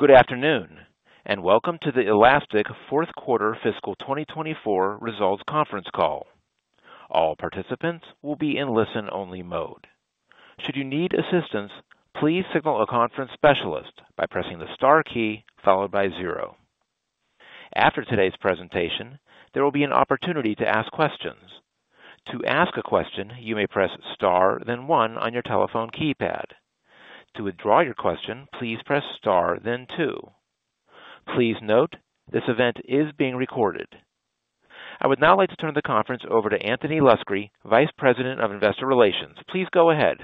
Good afternoon, and welcome to the Elastic fourth quarter fiscal 2024 results conference call. All participants will be in listen-only mode. Should you need assistance, please signal a conference specialist by pressing the star key followed by zero. After today's presentation, there will be an opportunity to ask questions. To ask a question, you may press star, then one on your telephone keypad. To withdraw your question, please press star then two. Please note, this event is being recorded. I would now like to turn the conference over to Anthony Luscre, Vice President of Investor Relations. Please go ahead.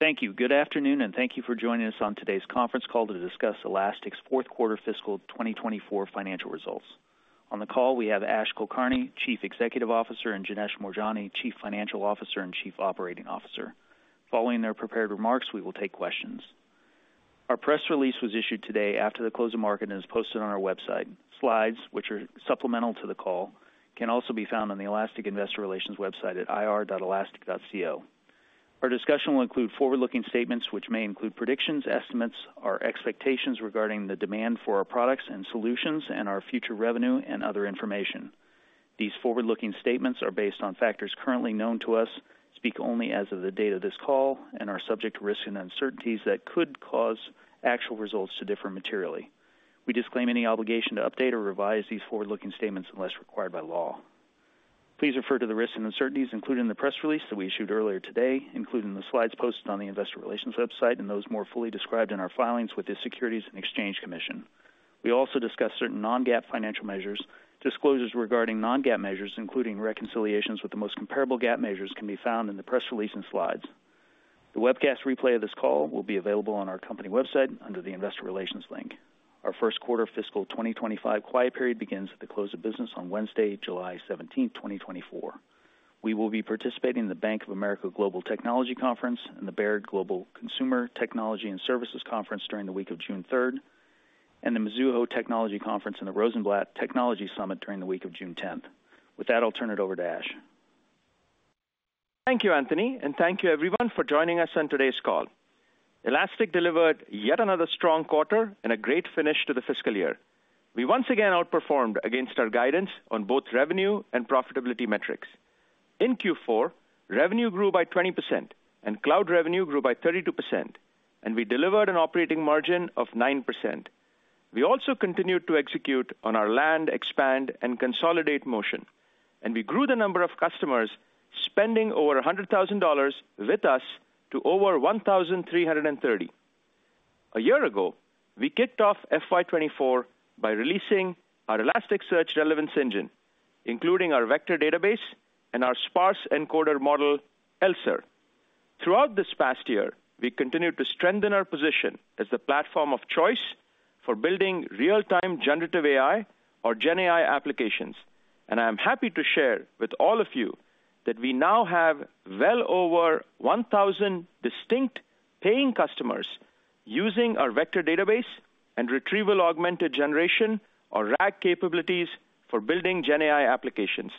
Thank you. Good afternoon, and thank you for joining us on today's conference call to discuss Elastic's fourth quarter fiscal 2024 financial results. On the call, we have Ash Kulkarni, Chief Executive Officer, and Jinesh Morjani, Chief Financial Officer and Chief Operating Officer. Following their prepared remarks, we will take questions. Our press release was issued today after the close of market and is posted on our website. Slides, which are supplemental to the call, can also be found on the Elastic Investor Relations website at ir.elastic.co. Our discussion will include forward-looking statements, which may include predictions, estimates, or expectations regarding the demand for our products and solutions and our future revenue and other information. These forward-looking statements are based on factors currently known to us, speak only as of the date of this call and are subject to risks and uncertainties that could cause actual results to differ materially. We disclaim any obligation to update or revise these forward-looking statements unless required by law. Please refer to the risks and uncertainties included in the press release that we issued earlier today, including the slides posted on the Investor Relations website and those more fully described in our filings with the Securities and Exchange Commission. We also discuss certain non-GAAP financial measures. Disclosures regarding non-GAAP measures, including reconciliations with the most comparable GAAP measures, can be found in the press release and slides. The webcast replay of this call will be available on our company website under the Investor Relations link. Our first quarter fiscal 2025 quiet period begins at the close of business on Wednesday, July seventeenth, 2024. We will be participating in the Bank of America Global Technology Conference and the Baird Global Consumer Technology and Services Conference during the week of June third, and the Mizuho Technology Conference and the Rosenblatt Technology Summit during the week of June tenth. With that, I'll turn it over to Ash. Thank you, Anthony, and thank you everyone for joining us on today's call. Elastic delivered yet another strong quarter and a great finish to the fiscal year. We once again outperformed against our guidance on both revenue and profitability metrics. In Q4, revenue grew by 20%, and cloud revenue grew by 32%, and we delivered an operating margin of 9%. We also continued to execute on our land, expand, and consolidate motion, and we grew the number of customers spending over $100,000 with us to over 1,330. A year ago, we kicked off FY 2024 by releasing our Elasticsearch Relevance Engine, including our vector database and our sparse encoder model, ELSER. Throughout this past year, we continued to strengthen our position as the platform of choice for building real-time generative AI or GenAI applications, and I'm happy to share with all of you that we now have well over 1,000 distinct paying customers using our vector database and Retrieval, Augmented Generation, or RAG capabilities for building GenAI applications.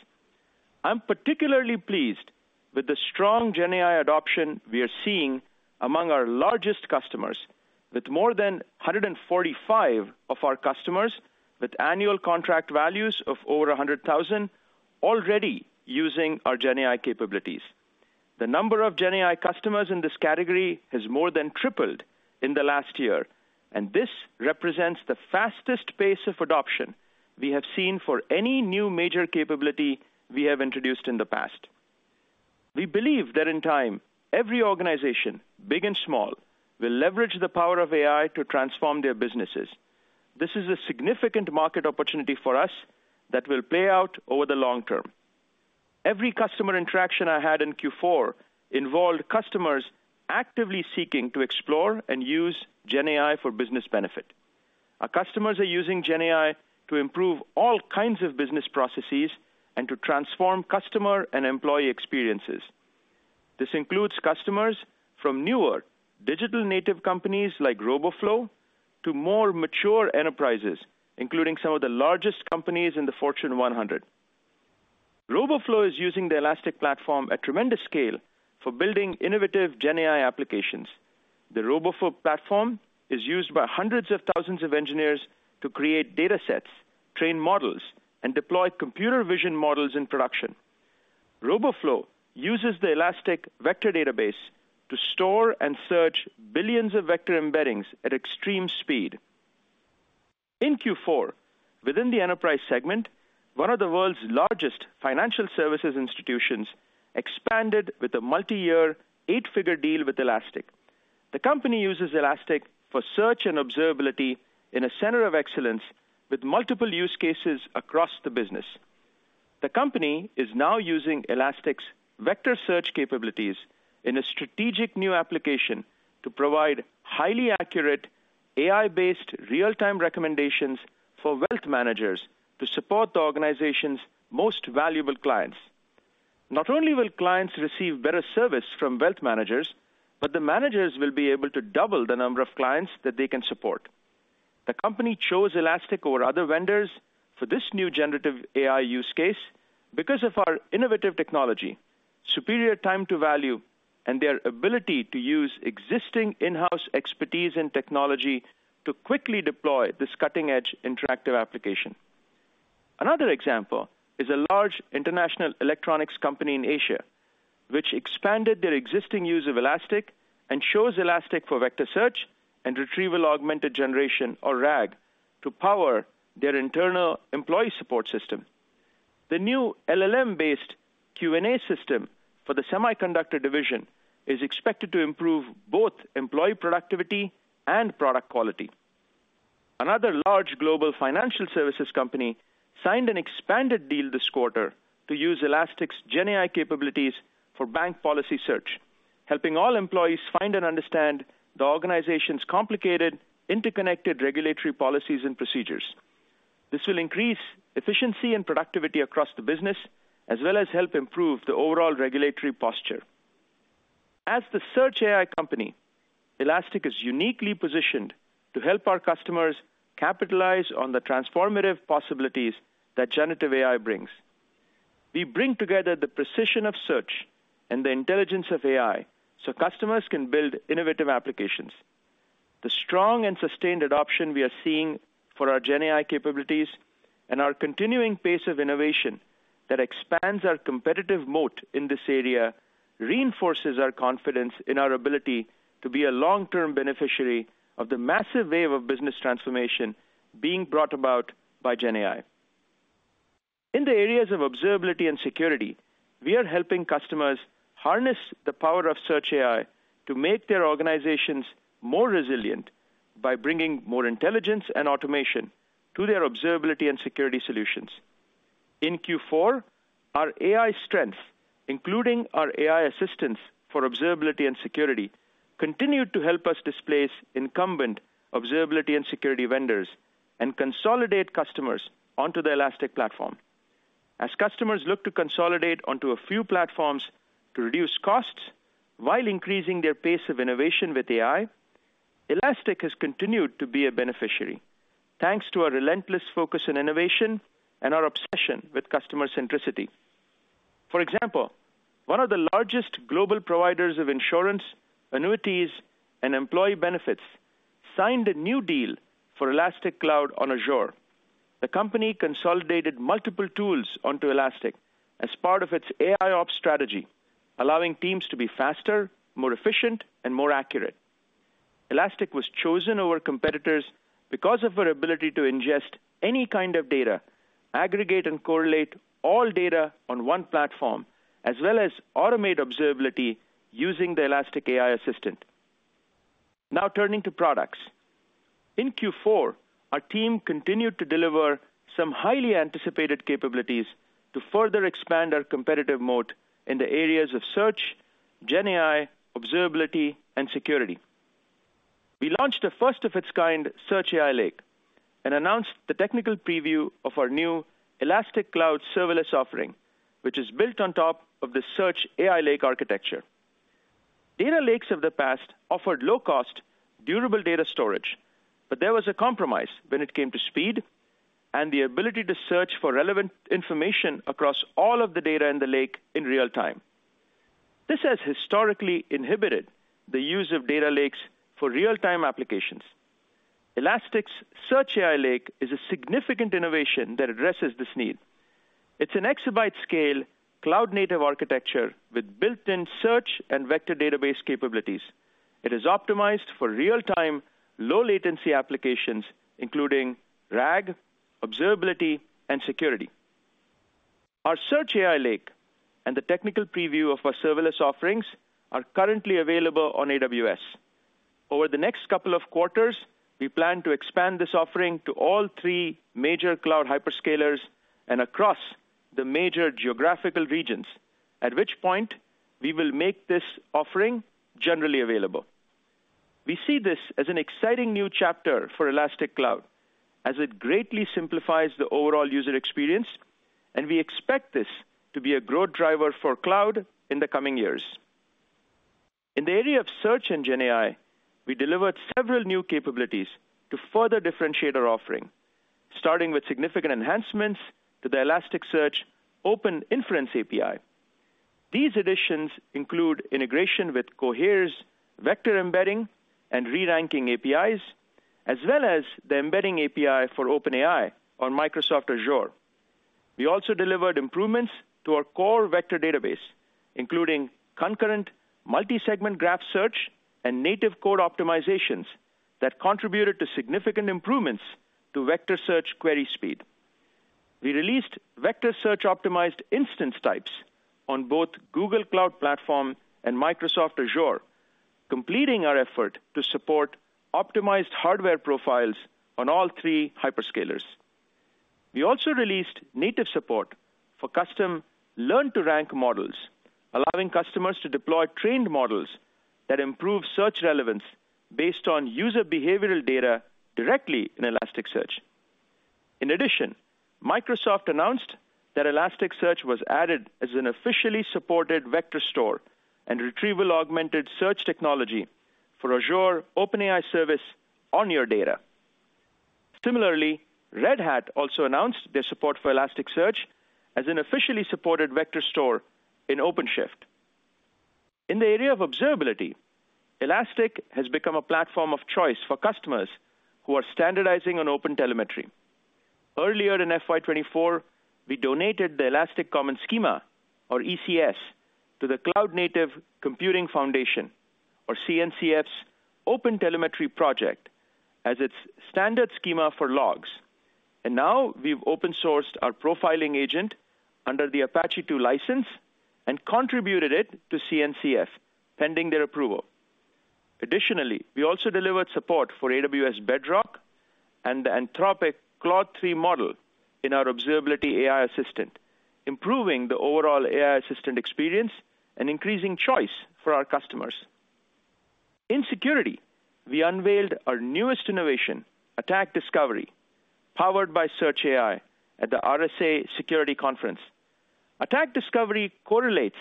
I'm particularly pleased with the strong GenAI adoption we are seeing among our largest customers, with more than 145 of our customers, with annual contract values of over $100,000, already using our GenAI capabilities. The number of GenAI customers in this category has more than tripled in the last year, and this represents the fastest pace of adoption we have seen for any new major capability we have introduced in the past. We believe that in time, every organization, big and small, will leverage the power of AI to transform their businesses. This is a significant market opportunity for us that will play out over the long term. Every customer interaction I had in Q4 involved customers actively seeking to explore and use GenAI for business benefit. Our customers are using GenAI to improve all kinds of business processes and to transform customer and employee experiences. This includes customers from newer digital native companies like Roboflow, to more mature enterprises, including some of the largest companies in the Fortune 100. Roboflow is using the Elastic platform at tremendous scale for building innovative GenAI applications. The Roboflow platform is used by hundreds of thousands of engineers to create datasets, train models, and deploy computer vision models in production. Roboflow uses the Elastic vector database to store and search billions of vector embeddings at extreme speed. In Q4, within the enterprise segment, one of the world's largest financial services institutions expanded with a multi-year, eight-figure deal with Elastic. The company uses Elastic for search and observability in a center of excellence with multiple use cases across the business. The company is now using Elastic's vector search capabilities in a strategic new application to provide highly accurate, AI-based, real-time recommendations for wealth managers to support the organization's most valuable clients. Not only will clients receive better service from wealth managers, but the managers will be able to double the number of clients that they can support. The company chose Elastic over other vendors for this new generative AI use case because of our innovative technology, superior time to value, and their ability to use existing in-house expertise and technology to quickly deploy this cutting-edge interactive application. Another example is a large international electronics company in Asia, which expanded their existing use of Elastic and chose Elastic for vector search and retrieval augmented generation, or RAG, to power their internal employee support system. The new LLM-based Q&A system for the semiconductor division is expected to improve both employee productivity and product quality. Another large global financial services company signed an expanded deal this quarter to use Elastic's GenAI capabilities for bank policy search, helping all employees find and understand the organization's complicated, interconnected regulatory policies and procedures. This will increase efficiency and productivity across the business, as well as help improve the overall regulatory posture. As the search AI company, Elastic is uniquely positioned to help our customers capitalize on the transformative possibilities that generative AI brings. We bring together the precision of search and the intelligence of AI so customers can build innovative applications. The strong and sustained adoption we are seeing for our GenAI capabilities, and our continuing pace of innovation that expands our competitive moat in this area, reinforces our confidence in our ability to be a long-term beneficiary of the massive wave of business transformation being brought about by GenAI. In the areas of observability and security, we are helping customers harness the power of Search AI to make their organizations more resilient by bringing more intelligence and automation to their observability and security solutions. In Q4, our AI strength, including our AI assistants for observability and security, continued to help us displace incumbent observability and security vendors and consolidate customers onto the Elastic platform. As customers look to consolidate onto a few platforms to reduce costs while increasing their pace of innovation with AI, Elastic has continued to be a beneficiary, thanks to our relentless focus on innovation and our obsession with customer centricity. For example, one of the largest global providers of insurance, annuities, and employee benefits signed a new deal for Elastic Cloud on Azure. The company consolidated multiple tools onto Elastic as part of its AIOps strategy, allowing teams to be faster, more efficient, and more accurate. Elastic was chosen over competitors because of our ability to ingest any kind of data, aggregate and correlate all data on one platform, as well as automate observability using the Elastic AI Assistant. Now turning to products. In Q4, our team continued to deliver some highly anticipated capabilities to further expand our competitive moat in the areas of search, GenAI, observability, and security. We launched a first-of-its-kind Search AI Lake, and announced the technical preview of our new Elastic Cloud Serverless offering, which is built on top of the Search AI Lake architecture. Data lakes of the past offered low-cost, durable data storage, but there was a compromise when it came to speed and the ability to search for relevant information across all of the data in the lake in real time. This has historically inhibited the use of data lakes for real-time applications. Elastic's Search AI Lake is a significant innovation that addresses this need. It's an exabyte-scale, cloud-native architecture with built-in search and vector database capabilities. It is optimized for real-time, low-latency applications, including RAG, observability, and security. Our Search AI Lake and the technical preview of our serverless offerings are currently available on AWS. Over the next couple of quarters, we plan to expand this offering to all three major cloud hyperscalers and across the major geographical regions, at which point we will make this offering generally available. We see this as an exciting new chapter for Elastic Cloud, as it greatly simplifies the overall user experience, and we expect this to be a growth driver for cloud in the coming years. In the area of Search engine AI, we delivered several new capabilities to further differentiate our offering, starting with significant enhancements to the Elasticsearch Open Inference API. These additions include integration with Cohere's vector embedding and re-ranking APIs, as well as the embedding API for OpenAI on Microsoft Azure. We also delivered improvements to our core vector database, including concurrent multi-segment graph search and native code optimizations that contributed to significant improvements to vector search query speed. We released vector search optimized instance types on both Google Cloud Platform and Microsoft Azure, completing our effort to support optimized hardware profiles on all three hyperscalers. We also released native support for custom learn-to-rank models, allowing customers to deploy trained models that improve search relevance based on user behavioral data directly in Elasticsearch. In addition, Microsoft announced that Elasticsearch was added as an officially supported vector store and retrieval augmented search technology for Azure OpenAI Service on your Data. Similarly, Red Hat also announced their support for Elasticsearch as an officially supported vector store in OpenShift. In the area of observability, Elastic has become a platform of choice for customers who are standardizing on OpenTelemetry. Earlier in FY 2024, we donated the Elastic Common Schema, or ECS, to the Cloud Native Computing Foundation, or CNCF's OpenTelemetry project as its standard schema for logs, and now we've open-sourced our profiling agent under the Apache License and contributed it to CNCF, pending their approval. Additionally, we also delivered support for AWS Bedrock and the Anthropic Claude 3 model in our Observability AI Assistant, improving the overall AI assistant experience and increasing choice for our customers. In security, we unveiled our newest innovation, Attack Discovery, powered by Search AI, at the RSA Security Conference. Attack Discovery correlates,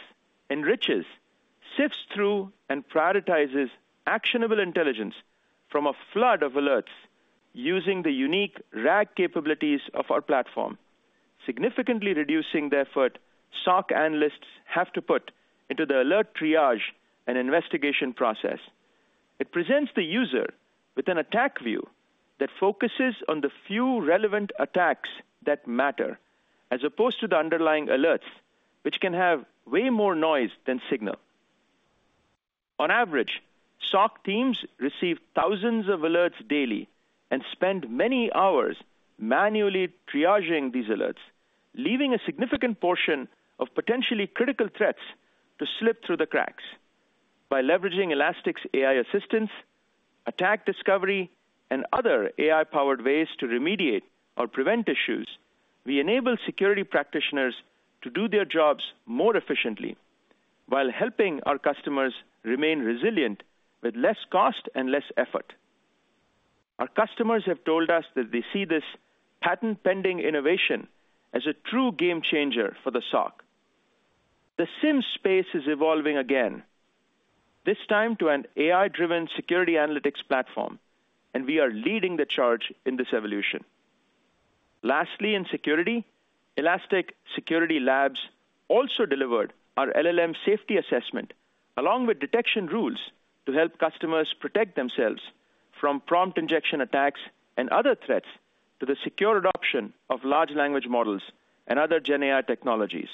enriches, sifts through, and prioritizes actionable intelligence from a flood of alerts using the unique RAG capabilities of our platform, significantly reducing the effort SOC analysts have to put into the alert triage and investigation process. It presents the user with an attack view that focuses on the few relevant attacks that matter, as opposed to the underlying alerts, which can have way more noise than signal. On average, SOC teams receive thousands of alerts daily and spend many hours manually triaging these alerts, leaving a significant portion of potentially critical threats to slip through the cracks. By leveraging Elastic's AI Assistant, Attack Discovery, and other AI-powered ways to remediate or prevent issues, we enable security practitioners to do their jobs more efficiently while helping our customers remain resilient with less cost and less effort. Our customers have told us that they see this patent-pending innovation as a true game changer for the SOC. The SIEM space is evolving again, this time to an AI-driven security analytics platform, and we are leading the charge in this evolution. Lastly, in security, Elastic Security Labs also delivered our LLM Safety Assessment, along with detection rules, to help customers protect themselves from prompt injection attacks and other threats to the secure adoption of large language models and other GenAI technologies.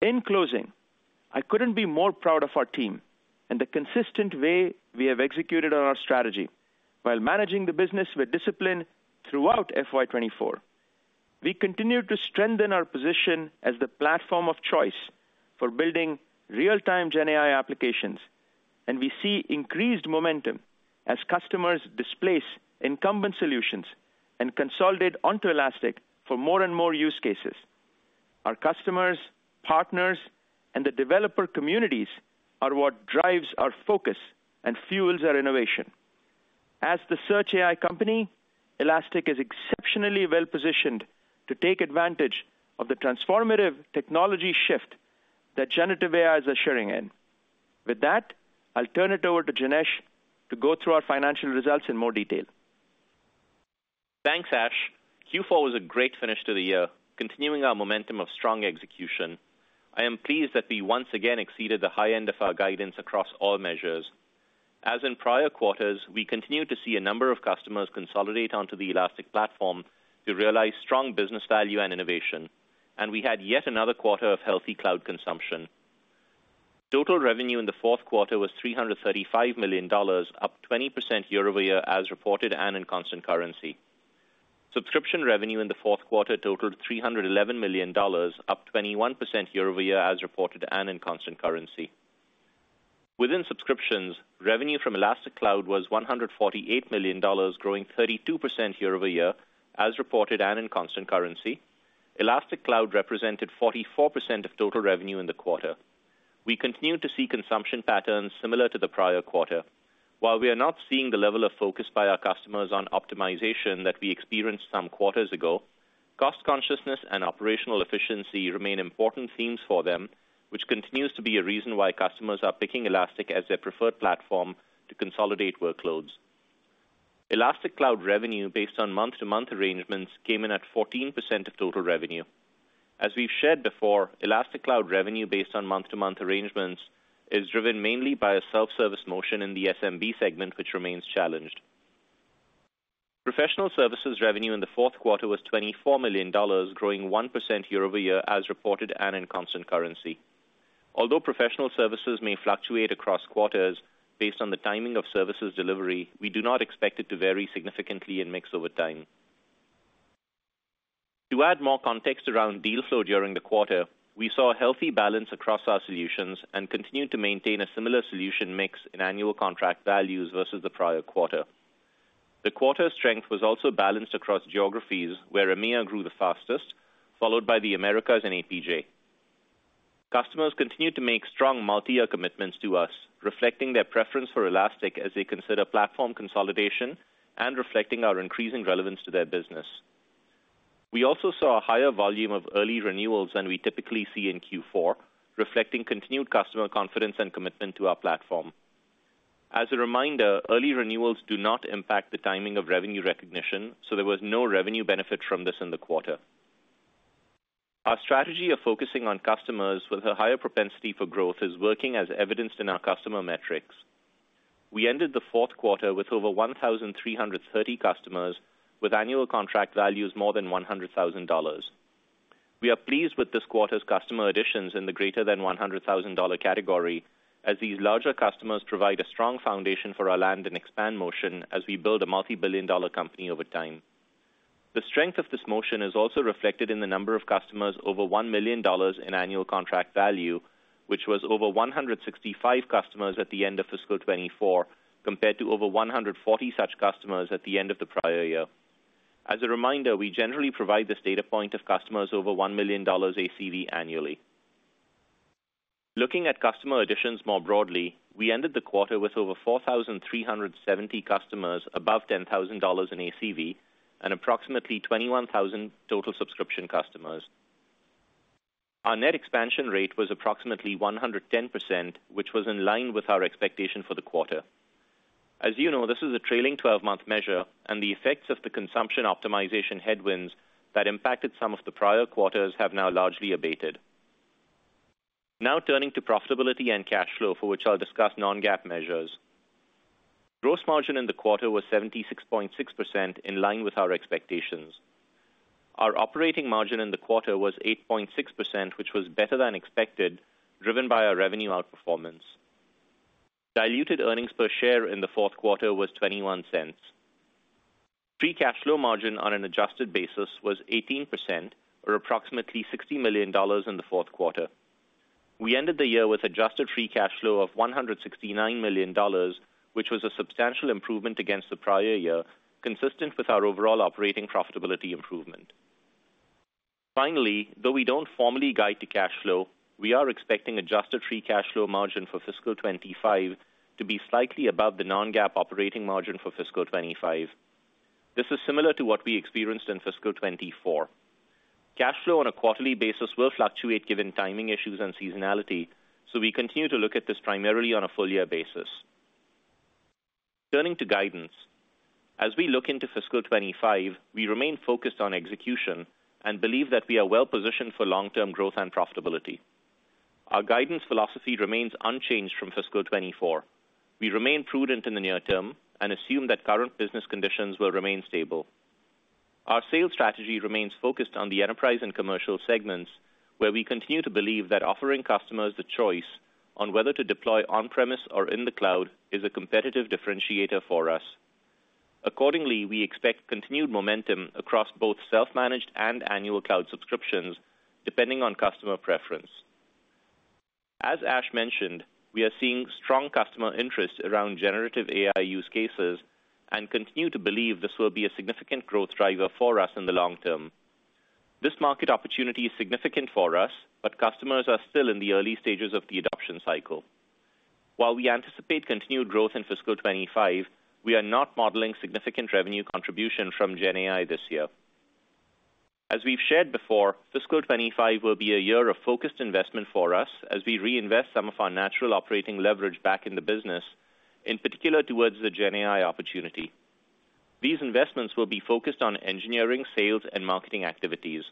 In closing, I couldn't be more proud of our team and the consistent way we have executed on our strategy while managing the business with discipline throughout FY 2024. We continue to strengthen our position as the platform of choice for building real-time GenAI applications, and we see increased momentum as customers displace incumbent solutions and consolidate onto Elastic for more and more use cases. Our customers, partners, and the developer communities are what drives our focus and fuels our innovation. As the Search AI company, Elastic is exceptionally well positioned to take advantage of the transformative technology shift that generative AI is ushering in. With that, I'll turn it over to Jinesh to go through our financial results in more detail. Thanks, Ash. Q4 was a great finish to the year, continuing our momentum of strong execution. I am pleased that we once again exceeded the high end of our guidance across all measures. As in prior quarters, we continued to see a number of customers consolidate onto the Elastic platform to realize strong business value and innovation, and we had yet another quarter of healthy cloud consumption. Total revenue in the fourth quarter was $335 million, up 20% year-over-year as reported and in constant currency. Subscription revenue in the fourth quarter totaled $311 million, up 21% year-over-year as reported and in constant currency. Within subscriptions, revenue from Elastic Cloud was $148 million, growing 32% year-over-year as reported and in constant currency. Elastic Cloud represented 44% of total revenue in the quarter. We continued to see consumption patterns similar to the prior quarter. While we are not seeing the level of focus by our customers on optimization that we experienced some quarters ago, cost consciousness and operational efficiency remain important themes for them, which continues to be a reason why customers are picking Elastic as their preferred platform to consolidate workloads. Elastic Cloud revenue based on month-to-month arrangements came in at 14% of total revenue. As we've shared before, Elastic Cloud revenue based on month-to-month arrangements is driven mainly by a self-service motion in the SMB segment, which remains challenged. Professional services revenue in the fourth quarter was $24 million, growing 1% year-over-year as reported and in constant currency. Although professional services may fluctuate across quarters based on the timing of services delivery, we do not expect it to vary significantly in mix over time. To add more context around deal flow during the quarter, we saw a healthy balance across our solutions and continued to maintain a similar solution mix in annual contract values versus the prior quarter. The quarter strength was also balanced across geographies, where EMEA grew the fastest, followed by the Americas and APJ. Customers continue to make strong multiyear commitments to us, reflecting their preference for Elastic as they consider platform consolidation and reflecting our increasing relevance to their business. We also saw a higher volume of early renewals than we typically see in Q4, reflecting continued customer confidence and commitment to our platform. As a reminder, early renewals do not impact the timing of revenue recognition, so there was no revenue benefit from this in the quarter. Our strategy of focusing on customers with a higher propensity for growth is working, as evidenced in our customer metrics. We ended the fourth quarter with over 1,330 customers, with annual contract values more than $100,000. We are pleased with this quarter's customer additions in the greater than $100,000 category, as these larger customers provide a strong foundation for our land and expand motion as we build a multibillion-dollar company over time. The strength of this motion is also reflected in the number of customers over $1 million in annual contract value, which was over 165 customers at the end of fiscal 2024, compared to over 140 such customers at the end of the prior year. As a reminder, we generally provide this data point of customers over $1 million ACV annually. Looking at customer additions more broadly, we ended the quarter with over 4,370 customers above $10,000 in ACV and approximately 21,000 total subscription customers. Our net expansion rate was approximately 110%, which was in line with our expectation for the quarter. As you know, this is a trailing twelve-month measure, and the effects of the consumption optimization headwinds that impacted some of the prior quarters have now largely abated. Now turning to profitability and cash flow, for which I'll discuss non-GAAP measures. Gross margin in the quarter was 76.6%, in line with our expectations. Our operating margin in the quarter was 8.6%, which was better than expected, driven by our revenue outperformance. Diluted earnings per share in the fourth quarter was $0.21. Free cash flow margin on an adjusted basis was 18%, or approximately $60 million in the fourth quarter. We ended the year with adjusted free cash flow of $169 million, which was a substantial improvement against the prior year, consistent with our overall operating profitability improvement. Finally, though we don't formally guide to cash flow, we are expecting adjusted free cash flow margin for fiscal 2025 to be slightly above the non-GAAP operating margin for fiscal 2025. This is similar to what we experienced in fiscal 2024. Cash flow on a quarterly basis will fluctuate given timing issues and seasonality, so we continue to look at this primarily on a full year basis. Turning to guidance. As we look into fiscal 2025, we remain focused on execution and believe that we are well positioned for long-term growth and profitability. Our guidance philosophy remains unchanged from fiscal 2024. We remain prudent in the near term and assume that current business conditions will remain stable. Our sales strategy remains focused on the enterprise and commercial segments, where we continue to believe that offering customers the choice on whether to deploy on-premise or in the cloud is a competitive differentiator for us. Accordingly, we expect continued momentum across both self-managed and annual cloud subscriptions, depending on customer preference. As Ash mentioned, we are seeing strong customer interest around generative AI use cases and continue to believe this will be a significant growth driver for us in the long term. This market opportunity is significant for us, but customers are still in the early stages of the adoption cycle. While we anticipate continued growth in fiscal 2025, we are not modeling significant revenue contribution from GenAI this year. As we've shared before, fiscal 2025 will be a year of focused investment for us as we reinvest some of our natural operating leverage back in the business, in particular towards the GenAI opportunity. These investments will be focused on engineering, sales, and marketing activities.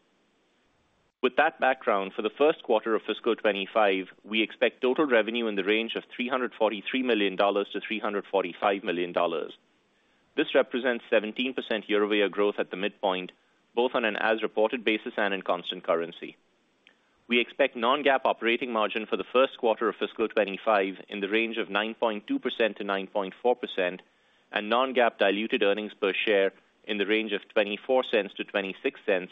With that background, for the first quarter of fiscal 2025, we expect total revenue in the range of $343 million-$345 million. This represents 17% year-over-year growth at the midpoint, both on an as-reported basis and in constant currency. We expect non-GAAP operating margin for the first quarter of fiscal 2025 in the range of 9.2%-9.4% and non-GAAP diluted earnings per share in the range of $0.24-$0.26,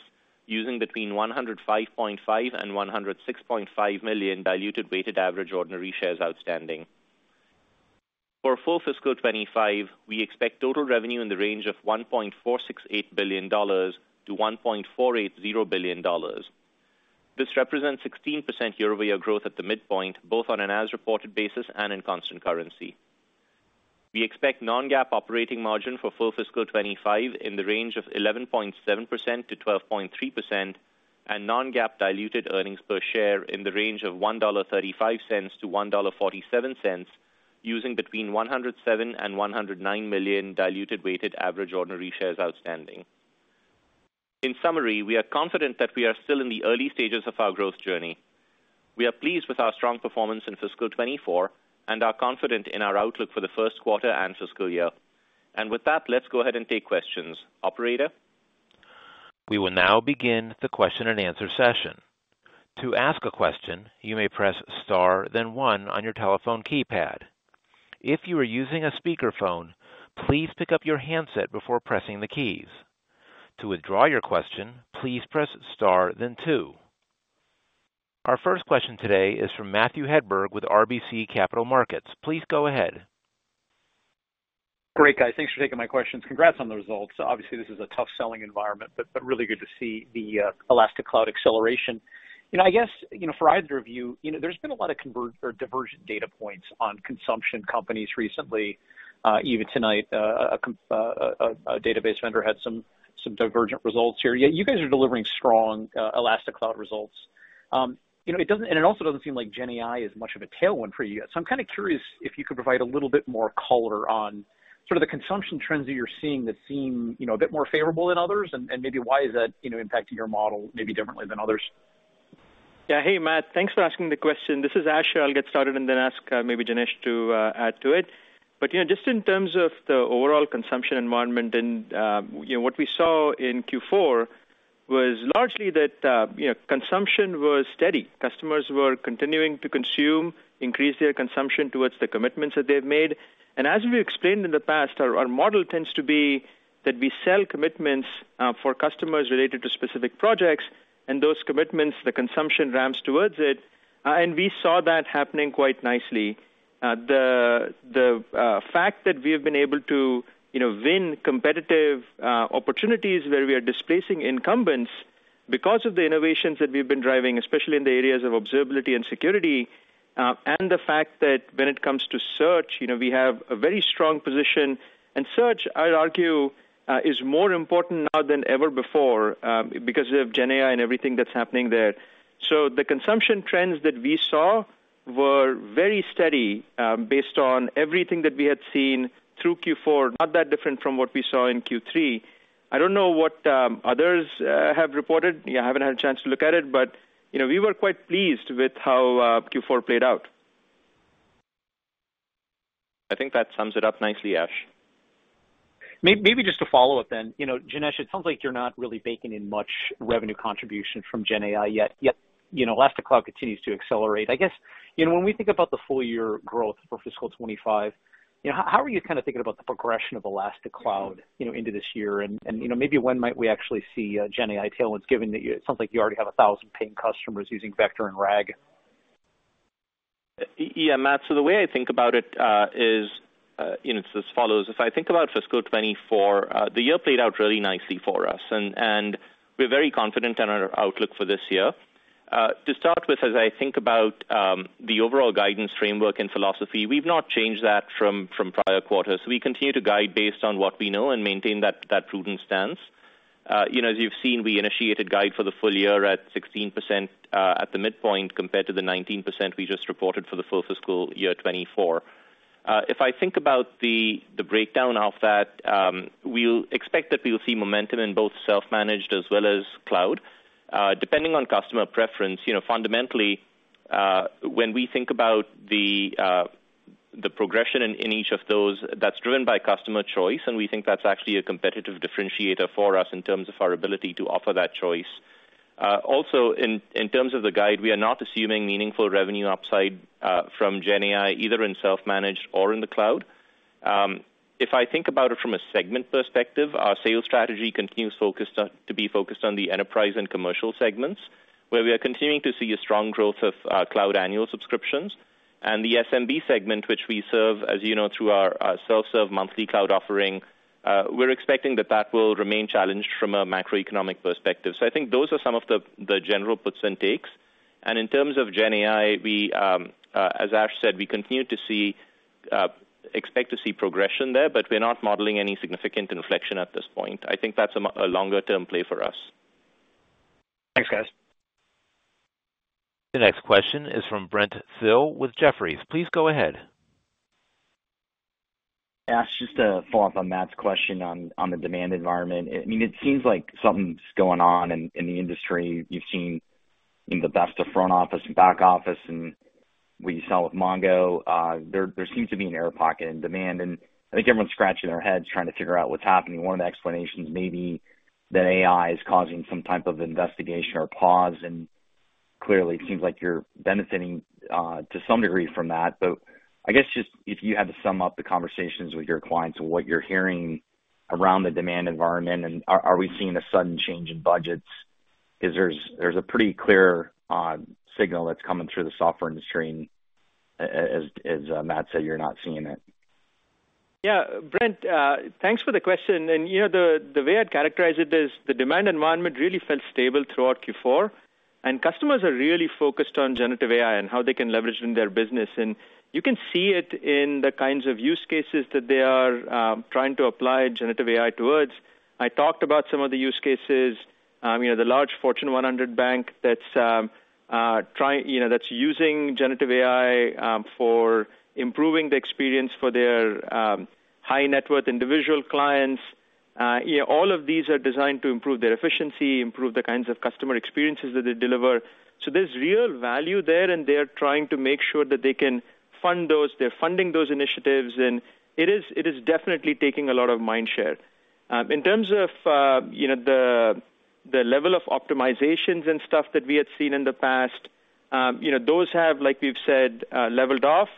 using between 105.5 million and 106.5 million diluted weighted average ordinary shares outstanding. For full fiscal 2025, we expect total revenue in the range of $1.468 billion-$1.480 billion. This represents 16% year-over-year growth at the midpoint, both on an as-reported basis and in constant currency. We expect non-GAAP operating margin for full fiscal 2025 in the range of 11.7%-12.3% and non-GAAP diluted earnings per share in the range of $1.35-$1.47, using between 107 and 109 million diluted weighted average ordinary shares outstanding. In summary, we are confident that we are still in the early stages of our growth journey. We are pleased with our strong performance in fiscal 2024 and are confident in our outlook for the first quarter and fiscal year. With that, let's go ahead and take questions. Operator? We will now begin the question-and-answer session. To ask a question, you may press star, then one on your telephone keypad. If you are using a speakerphone, please pick up your handset before pressing the keys. To withdraw your question, please press star then two. Our first question today is from Matthew Hedberg with RBC Capital Markets. Please go ahead.... Great, guys. Thanks for taking my questions. Congrats on the results. Obviously, this is a tough selling environment, but really good to see the Elastic Cloud acceleration. You know, I guess, you know, for either of you, you know, there's been a lot of divergent data points on consumption companies recently. Even tonight, a database vendor had some divergent results here, yet you guys are delivering strong Elastic Cloud results. You know, it doesn't. And it also doesn't seem like GenAI is much of a tailwind for you yet. I'm kinda curious if you could provide a little bit more color on sort of the consumption trends that you're seeing that seem, you know, a bit more favorable than others, and maybe why is that, you know, impacting your model maybe differently than others? Yeah. Hey, Matt, thanks for asking the question. This is Ash. I'll get started and then ask maybe Jinesh to add to it. But, you know, just in terms of the overall consumption environment and, you know, what we saw in Q4 was largely that, you know, consumption was steady. Customers were continuing to consume, increase their consumption towards the commitments that they've made. And as we explained in the past, our model tends to be that we sell commitments for customers related to specific projects, and those commitments, the consumption ramps towards it, and we saw that happening quite nicely. The fact that we have been able to, you know, win competitive opportunities where we are displacing incumbents because of the innovations that we've been driving, especially in the areas of observability and security, and the fact that when it comes to search, you know, we have a very strong position. And search, I'd argue, is more important now than ever before, because of GenAI and everything that's happening there. So the consumption trends that we saw were very steady, based on everything that we had seen through Q4, not that different from what we saw in Q3. I don't know what others have reported. Yeah, I haven't had a chance to look at it, but, you know, we were quite pleased with how Q4 played out. I think that sums it up nicely, Ash. Maybe just to follow up then. You know, Jinesh, it sounds like you're not really baking in much revenue contribution from GenAI yet, you know, Elastic Cloud continues to accelerate. I guess, you know, when we think about the full year growth for fiscal 2025, you know, how are you kinda thinking about the progression of Elastic Cloud, you know, into this year? And, you know, maybe when might we actually see GenAI tailwinds, given that it sounds like you already have 1,000 paying customers using Vector and RAG? Yeah, Matt, so the way I think about it is, you know, it's as follows: If I think about fiscal 2024, the year played out really nicely for us, and we're very confident in our outlook for this year. To start with, as I think about the overall guidance framework and philosophy, we've not changed that from prior quarters. We continue to guide based on what we know and maintain that prudent stance. You know, as you've seen, we initiated guide for the full year at 16%, at the midpoint, compared to the 19% we just reported for the full fiscal year 2024. If I think about the breakdown of that, we'll expect that we'll see momentum in both self-managed as well as cloud, depending on customer preference. You know, fundamentally, when we think about the progression in each of those, that's driven by customer choice, and we think that's actually a competitive differentiator for us in terms of our ability to offer that choice. Also in terms of the guide, we are not assuming meaningful revenue upside from GenAI, either in self-managed or in the cloud. If I think about it from a segment perspective, our sales strategy continues to be focused on the enterprise and commercial segments, where we are continuing to see a strong growth of cloud annual subscriptions. And the SMB segment, which we serve, as you know, through our self-serve monthly cloud offering, we're expecting that that will remain challenged from a macroeconomic perspective. So I think those are some of the general puts and takes. In terms of GenAI, we, as Ash said, we continue to see, expect to see progression there, but we're not modeling any significant inflection at this point. I think that's a longer-term play for us. Thanks, guys. The next question is from Brent Thill with Jefferies. Please go ahead. Ash, just to follow up on Matt's question on the demand environment. I mean, it seems like something's going on in the industry. You've seen the best of front office and back office, and what you saw with Mongo, there seems to be an air pocket in demand, and I think everyone's scratching their heads trying to figure out what's happening. One of the explanations may be that AI is causing some type of investigation or pause, and clearly, it seems like you're benefiting to some degree from that. But I guess just if you had to sum up the conversations with your clients and what you're hearing around the demand environment, and are we seeing a sudden change in budgets? 'Cause there's a pretty clear signal that's coming through the software industry, and as Matt said, you're not seeing it. Yeah, Brent, thanks for the question. And, you know, the way I'd characterize it is, the demand environment really felt stable throughout Q4, and customers are really focused on generative AI and how they can leverage it in their business. And you can see it in the kinds of use cases that they are trying to apply generative AI towards. I talked about some of the use cases, you know, the large Fortune 100 bank that's trying... You know, that's using generative AI for improving the experience for their high-net-worth individual clients. You know, all of these are designed to improve their efficiency, improve the kinds of customer experiences that they deliver. So there's real value there, and they're trying to make sure that they can fund those. They're funding those initiatives, and it is, it is definitely taking a lot of mind share. In terms of, you know, the, the level of optimizations and stuff that we had seen in the past, you know, those have, like we've said, leveled off,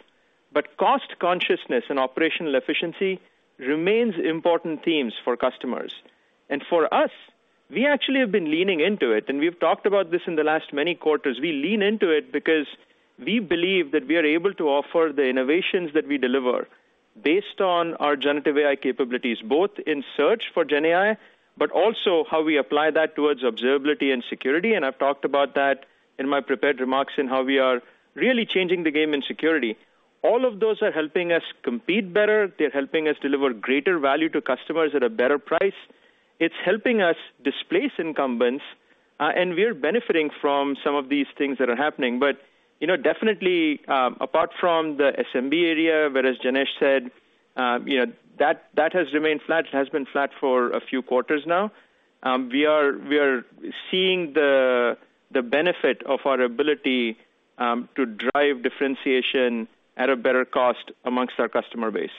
but cost consciousness and operational efficiency remains important themes for customers. And for us, we actually have been leaning into it, and we've talked about this in the last many quarters. We lean into it because we believe that we are able to offer the innovations that we deliver based on our generative AI capabilities, both in search for GenAI, but also how we apply that towards observability and security, and I've talked about that in my prepared remarks in how we are really changing the game in security. All of those are helping us compete better. They're helping us deliver greater value to customers at a better price. It's helping us displace incumbents, and we're benefiting from some of these things that are happening. But, you know, definitely, apart from the SMB area, where, as Janesh said, you know, that has remained flat. It has been flat for a few quarters now. We are seeing the benefit of our ability to drive differentiation at a better cost amongst our customer base.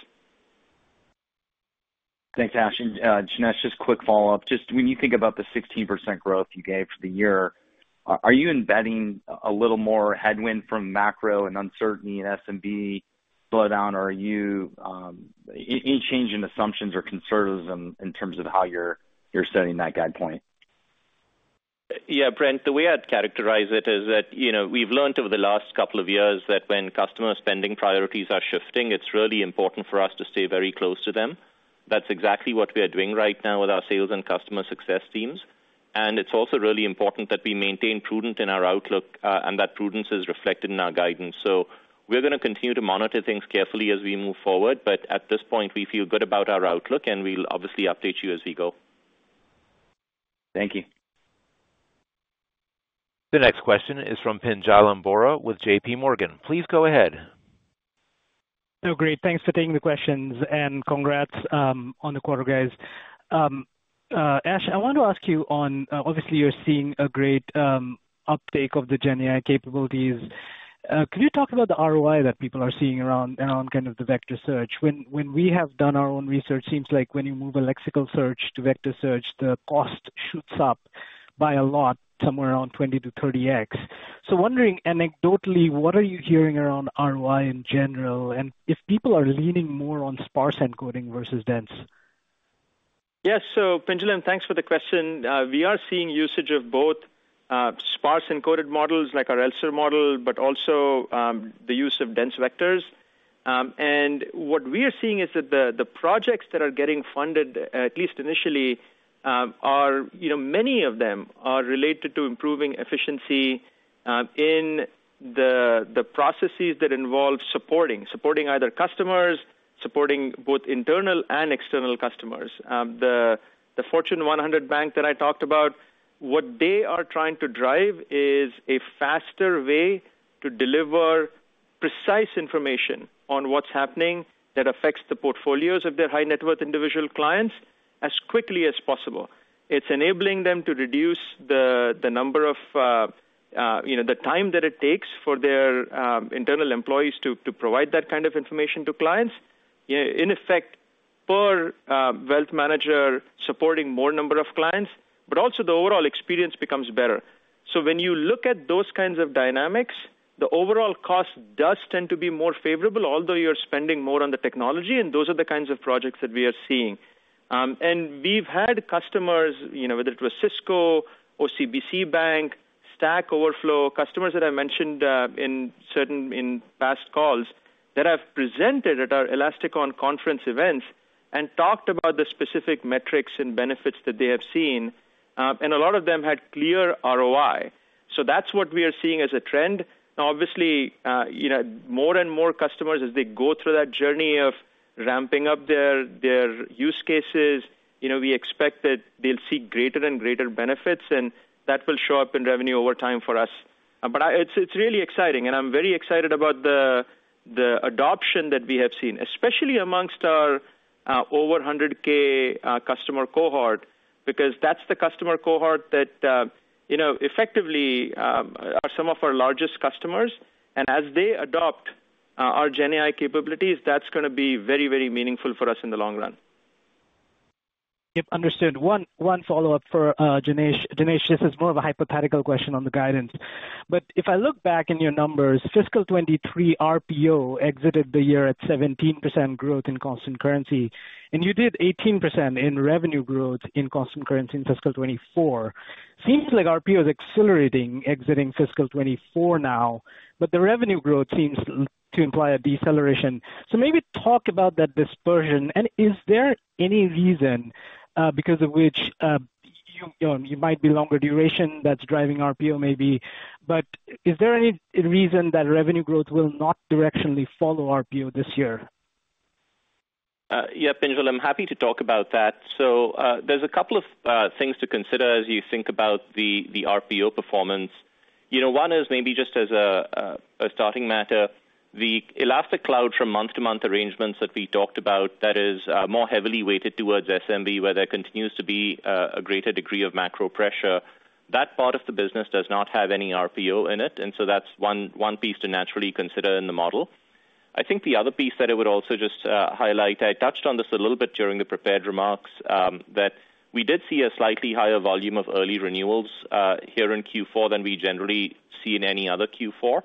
Thanks, Ash. Jinesh, just quick follow-up. Just when you think about the 16% growth you gave for the year, are, are you embedding a little more headwind from macro and uncertainty in SMB slowdown? Or are you any change in assumptions or conservatism in terms of how you're, you're setting that guide point? Yeah, Brent, the way I'd characterize it is that, you know, we've learned over the last couple of years that when customer spending priorities are shifting, it's really important for us to stay very close to them. That's exactly what we are doing right now with our sales and customer success teams, and it's also really important that we maintain prudence in our outlook, and that prudence is reflected in our guidance. So we're gonna continue to monitor things carefully as we move forward, but at this point, we feel good about our outlook, and we'll obviously update you as we go. Thank you. The next question is from Pinjalim Bora with JP Morgan. Please go ahead. Oh, great. Thanks for taking the questions, and congrats on the quarter, guys. Ash, I want to ask you on obviously, you're seeing a great uptake of the GenAI capabilities. Can you talk about the ROI that people are seeing around, around kind of the vector search? When we have done our own research, seems like when you move a lexical search to vector search, the cost shoots up by a lot, somewhere around 20-30x. So wondering, anecdotally, what are you hearing around ROI in general, and if people are leaning more on sparse encoding versus dense? Yes. So Pinjalim, thanks for the question. We are seeing usage of both sparse encoded models like our ELSER model, but also the use of dense vectors. And what we are seeing is that the projects that are getting funded, at least initially, are, you know, many of them are related to improving efficiency in the processes that involve supporting. Supporting either customers, supporting both internal and external customers. The Fortune 100 bank that I talked about, what they are trying to drive is a faster way to deliver precise information on what's happening that affects the portfolios of their high net worth individual clients as quickly as possible. It's enabling them to reduce the number of, you know, the time that it takes for their internal employees to provide that kind of information to clients. In effect, per wealth manager supporting more number of clients, but also the overall experience becomes better. So when you look at those kinds of dynamics, the overall cost does tend to be more favorable, although you're spending more on the technology, and those are the kinds of projects that we are seeing. And we've had customers, you know, whether it was Cisco or CBC Bank, Stack Overflow, customers that I mentioned in certain in past calls, that have presented at our Elasticon conference events and talked about the specific metrics and benefits that they have seen, and a lot of them had clear ROI. So that's what we are seeing as a trend. Now, obviously, you know, more and more customers, as they go through that journey of ramping up their, their use cases, you know, we expect that they'll see greater and greater benefits, and that will show up in revenue over time for us. But it's really exciting, and I'm very excited about the, the adoption that we have seen, especially among our over 100K customer cohort, because that's the customer cohort that you know, effectively, are some of our largest customers, and as they adopt our GenAI capabilities, that's gonna be very, very meaningful for us in the long run. Yep, understood. One follow-up for Janesh. Janesh, this is more of a hypothetical question on the guidance, but if I look back in your numbers, fiscal 2023 RPO exited the year at 17% growth in constant currency, and you did 18% in revenue growth in constant currency in fiscal 2024. Seems like RPO is accelerating exiting fiscal 2024 now, but the revenue growth seems to imply a deceleration. So maybe talk about that dispersion, and is there any reason because of which you know you might be longer duration that's driving RPO maybe, but is there any reason that revenue growth will not directionally follow RPO this year? Yeah, Pinjalim, I'm happy to talk about that. So, there's a couple of things to consider as you think about the RPO performance. You know, one is maybe just as a starting matter, the Elastic Cloud from month-to-month arrangements that we talked about, that is more heavily weighted towards SMB, where there continues to be a greater degree of macro pressure. That part of the business does not have any RPO in it, and so that's one piece to naturally consider in the model. I think the other piece that I would also just highlight, I touched on this a little bit during the prepared remarks, that we did see a slightly higher volume of early renewals here in Q4 than we generally see in any other Q4.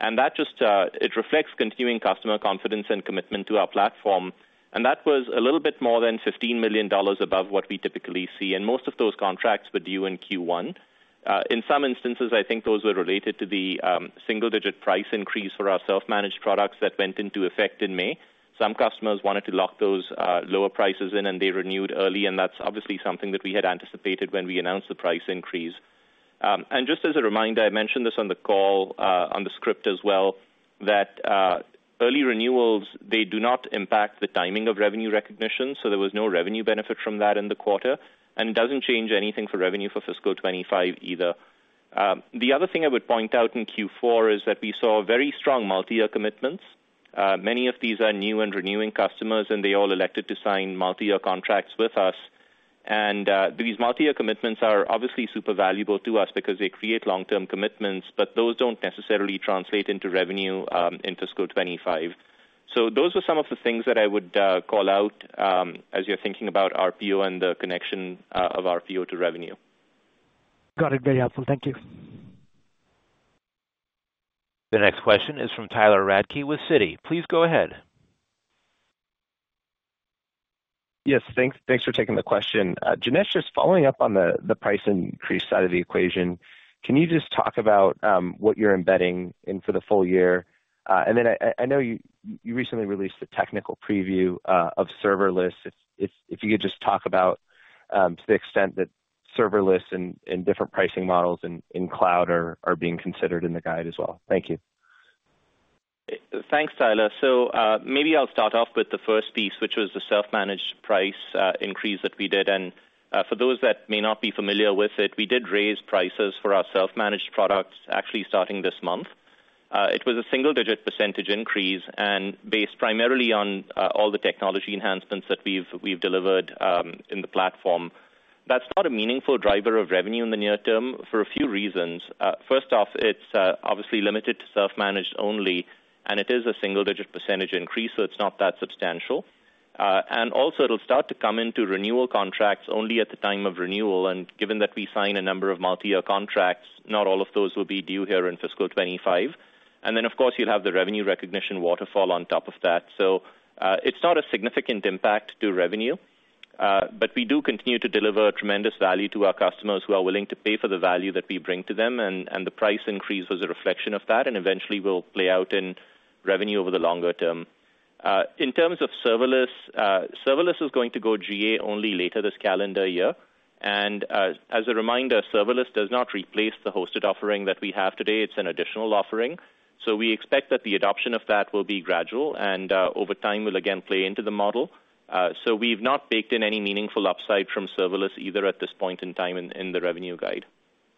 That just, it reflects continuing customer confidence and commitment to our platform. That was a little bit more than $15 million above what we typically see, and most of those contracts were due in Q1. In some instances, I think those were related to the single-digit price increase for our self-managed products that went into effect in May. Some customers wanted to lock those lower prices in, and they renewed early, and that's obviously something that we had anticipated when we announced the price increase. Just as a reminder, I mentioned this on the call, on the script as well, that early renewals, they do not impact the timing of revenue recognition, so there was no revenue benefit from that in the quarter and doesn't change anything for revenue for fiscal 2025 either. The other thing I would point out in Q4 is that we saw very strong multi-year commitments. Many of these are new and renewing customers, and they all elected to sign multi-year contracts with us. And, these multi-year commitments are obviously super valuable to us because they create long-term commitments, but those don't necessarily translate into revenue in fiscal 25. So those are some of the things that I would call out as you're thinking about RPO and the connection of RPO to revenue. Got it. Very helpful. Thank you. The next question is from Tyler Radke with Citi. Please go ahead. Yes, thanks, thanks for taking the question. Janesh, just following up on the price increase side of the equation, can you just talk about what you're embedding in for the full year? And then I know you recently released a technical preview of serverless. If you could just talk about to the extent that serverless and different pricing models in cloud are being considered in the guide as well. Thank you. Thanks, Tyler. So, maybe I'll start off with the first piece, which was the self-managed price increase that we did. For those that may not be familiar with it, we did raise prices for our self-managed products, actually, starting this month. It was a single-digit % increase and based primarily on all the technology enhancements that we've delivered in the platform. That's not a meaningful driver of revenue in the near term for a few reasons. First off, it's obviously limited to self-managed only, and it is a single-digit % increase, so it's not that substantial. And also, it'll start to come into renewal contracts only at the time of renewal, and given that we sign a number of multi-year contracts, not all of those will be due here in fiscal 2025. Then, of course, you'll have the revenue recognition waterfall on top of that. So, it's not a significant impact to revenue, but we do continue to deliver tremendous value to our customers who are willing to pay for the value that we bring to them, and, and the price increase was a reflection of that, and eventually will play out in revenue over the longer term. In terms of serverless, serverless is going to go GA only later this calendar year. And, as a reminder, serverless does not replace the hosted offering that we have today. It's an additional offering. So we expect that the adoption of that will be gradual and, over time, will again play into the model. So we've not baked in any meaningful upside from serverless either at this point in time in the revenue guide.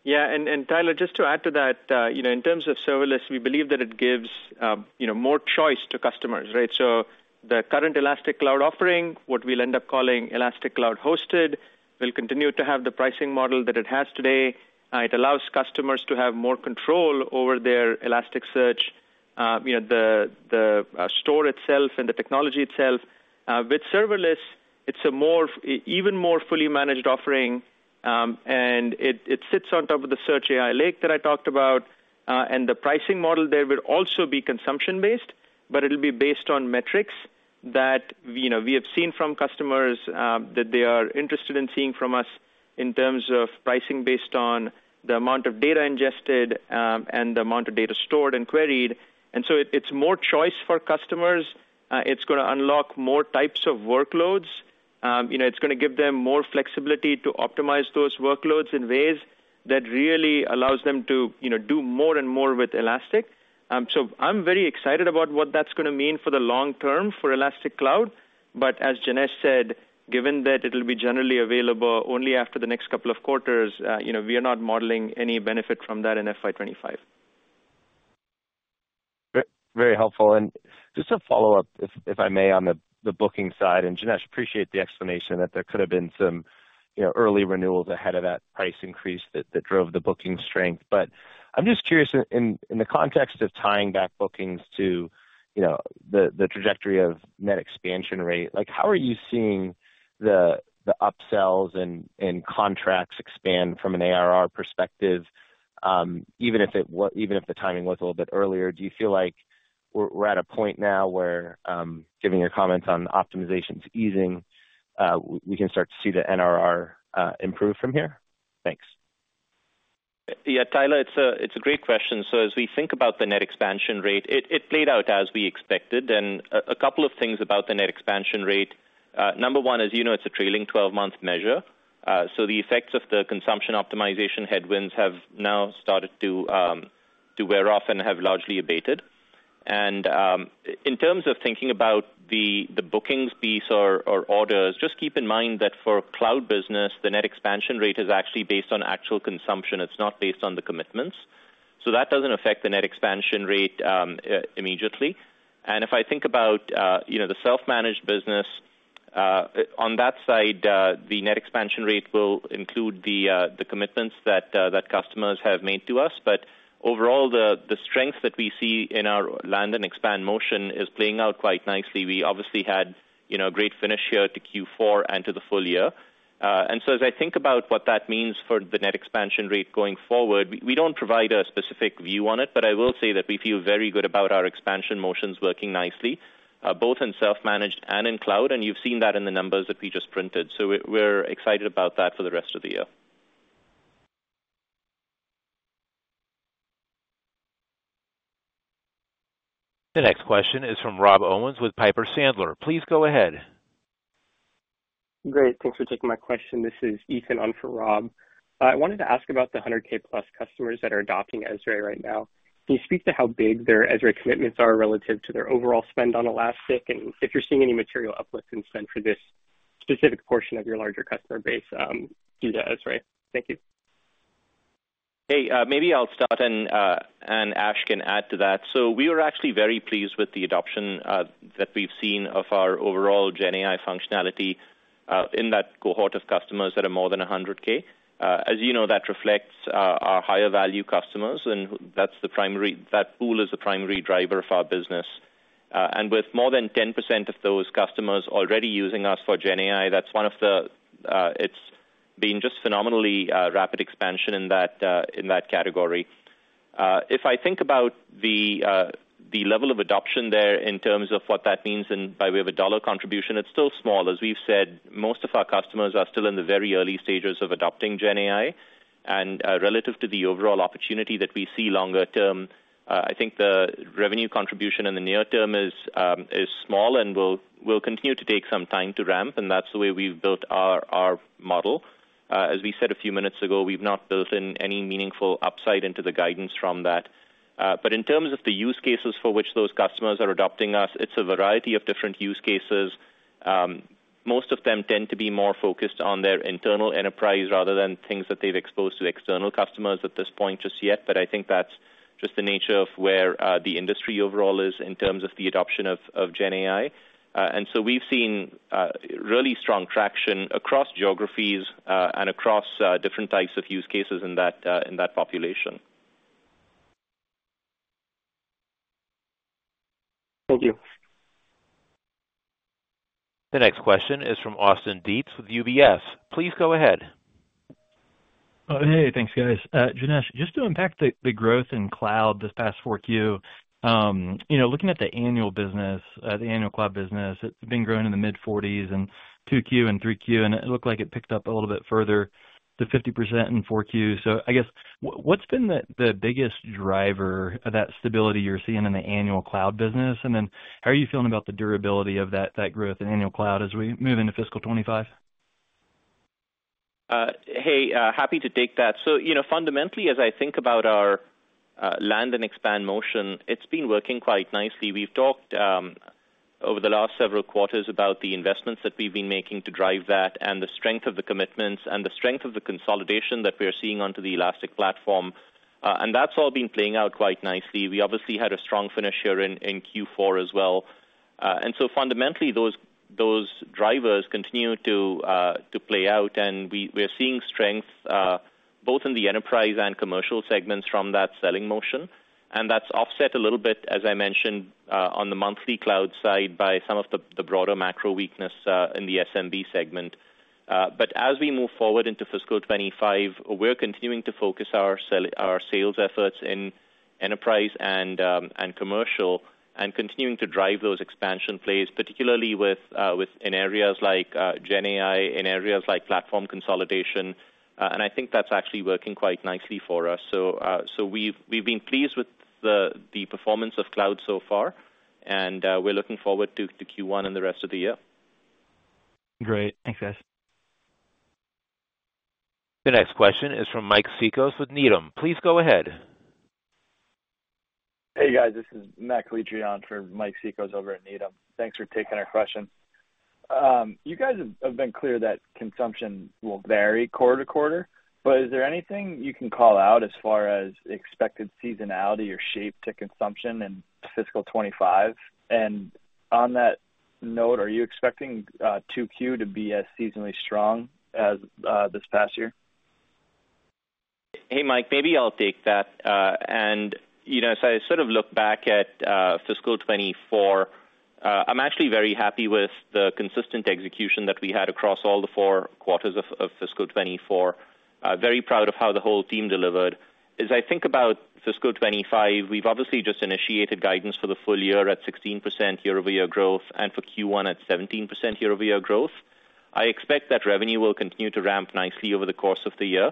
Yeah, and Tyler, just to add to that, you know, in terms of serverless, we believe that it gives, you know, more choice to customers, right? So the current Elastic Cloud offering, what we'll end up calling Elastic Cloud Hosted, will continue to have the pricing model that it has today. It allows customers to have more control over their Elasticsearch, you know, the store itself and the technology itself. With serverless, it's a more, even more fully managed offering, and it sits on top of the Search AI Lake that I talked about, and the pricing model there will also be consumption-based, but it'll be based on metrics that, you know, we have seen from customers, that they are interested in seeing from us in terms of pricing based on the amount of data ingested, and the amount of data stored and queried. And so it's more choice for customers. It's gonna unlock more types of workloads. You know, it's gonna give them more flexibility to optimize those workloads in ways that really allows them to, you know, do more and more with Elastic. So I'm very excited about what that's gonna mean for the long term for Elastic Cloud. But as Jinesh said, given that it'll be generally available only after the next couple of quarters, you know, we are not modeling any benefit from that in FY 25. Very helpful. And just a follow-up, if I may, on the booking side, and Jinesh, appreciate the explanation that there could have been some, you know, early renewals ahead of that price increase that drove the booking strength. But I'm just curious, in the context of tying back bookings to, you know, the trajectory of net expansion rate, like, how are you seeing the upsells and contracts expand from an ARR perspective, even if the timing was a little bit earlier? Do you feel like we're at a point now where, given your comments on optimization's easing, we can start to see the NRR improve from here? Thanks. Yeah, Tyler, it's a great question. So as we think about the Net Expansion Rate, it played out as we expected. And a couple of things about the Net Expansion Rate. Number one, as you know, it's a trailing twelve-month measure, so the effects of the consumption optimization headwinds have now started to wear off and have largely abated. In terms of thinking about the bookings piece or orders, just keep in mind that for cloud business, the Net Expansion Rate is actually based on actual consumption. It's not based on the commitments. So that doesn't affect the Net Expansion Rate immediately. If I think about, you know, the self-managed business, on that side, the Net Expansion Rate will include the commitments that customers have made to us. But overall, the strength that we see in our land and expand motion is playing out quite nicely. We obviously had, you know, a great finish here to Q4 and to the full year. And so as I think about what that means for the Net Expansion Rate going forward, we, we don't provide a specific view on it, but I will say that we feel very good about our expansion motions working nicely, both in self-managed and in cloud, and you've seen that in the numbers that we just printed. So we're excited about that for the rest of the year. The next question is from Rob Owens with Piper Sandler. Please go ahead. Great. Thanks for taking my question. This is Ethan in for Rob. I wanted to ask about the 100K plus customers that are adopting ES right now. Can you speak to how big their ES commitments are relative to their overall spend on Elastic? And if you're seeing any material uplift in spend for this specific portion of your larger customer base, due to ES. Thank you. Hey, maybe I'll start and Ash can add to that. So we were actually very pleased with the adoption that we've seen of our overall Gen AI functionality in that cohort of customers that are more than 100K. As you know, that reflects our higher value customers, and that's the primary- that pool is the primary driver of our business. And with more than 10% of those customers already using us for Gen AI, that's one of the... It's been just phenomenally rapid expansion in that category. If I think about the level of adoption there in terms of what that means and by way of a dollar contribution, it's still small. As we've said, most of our customers are still in the very early stages of adopting GenAI, and relative to the overall opportunity that we see longer term, I think the revenue contribution in the near term is small and will continue to take some time to ramp, and that's the way we've built our model. As we said a few minutes ago, we've not built in any meaningful upside into the guidance from that. But in terms of the use cases for which those customers are adopting us, it's a variety of different use cases. Most of them tend to be more focused on their internal enterprise rather than things that they've exposed to external customers at this point just yet. But I think that's just the nature of where the industry overall is in terms of the adoption of, of Gen AI. And so we've seen really strong traction across geographies, and across different types of use cases in that, in that population. Thank you. The next question is from Austin Dietz with UBS. Please go ahead. Hey, thanks, guys. Jinesh, just to impact the, the growth in cloud this past 4Q, you know, looking at the annual business, the annual cloud business, it's been growing in the mid-40s and 2Q and 3Q, and it looked like it picked up a little bit further to 50% in 4Q. So I guess, what's been the, the biggest driver of that stability you're seeing in the annual cloud business? And then how are you feeling about the durability of that, that growth in annual cloud as we move into fiscal 2025? Hey, happy to take that. So, you know, fundamentally, as I think about our land and expand motion, it's been working quite nicely. We've talked over the last several quarters about the investments that we've been making to drive that and the strength of the commitments and the strength of the consolidation that we are seeing onto the Elastic platform. And that's all been playing out quite nicely. We obviously had a strong finisher in Q4 as well. And so fundamentally, those drivers continue to play out, and we're seeing strength both in the enterprise and commercial segments from that selling motion. And that's offset a little bit, as I mentioned, on the monthly cloud side by some of the broader macro weakness in the SMB segment. But as we move forward into fiscal 25, we're continuing to focus our sales efforts in enterprise and commercial, and continuing to drive those expansion plays, particularly within areas like GenAI, in areas like platform consolidation. And I think that's actually working quite nicely for us. So we've been pleased with the performance of cloud so far, and we're looking forward to Q1 and the rest of the year. Great. Thanks, guys. The next question is from Mike Cikos with Needham. Please go ahead. Hey, guys, this is Matt Calitri on for Mike Cikos over at Needham. Thanks for taking our question. You guys have been clear that consumption will vary quarter to quarter, but is there anything you can call out as far as expected seasonality or shape to consumption in fiscal 2025? And on that note, are you expecting 2Q to be as seasonally strong as this past year? Hey, Mike, maybe I'll take that. You know, as I sort of look back at fiscal 2024, I'm actually very happy with the consistent execution that we had across all the four quarters of fiscal 2024. Very proud of how the whole team delivered. As I think about fiscal 2025, we've obviously just initiated guidance for the full year at 16% year-over-year growth, and for Q1 at 17% year-over-year growth. I expect that revenue will continue to ramp nicely over the course of the year.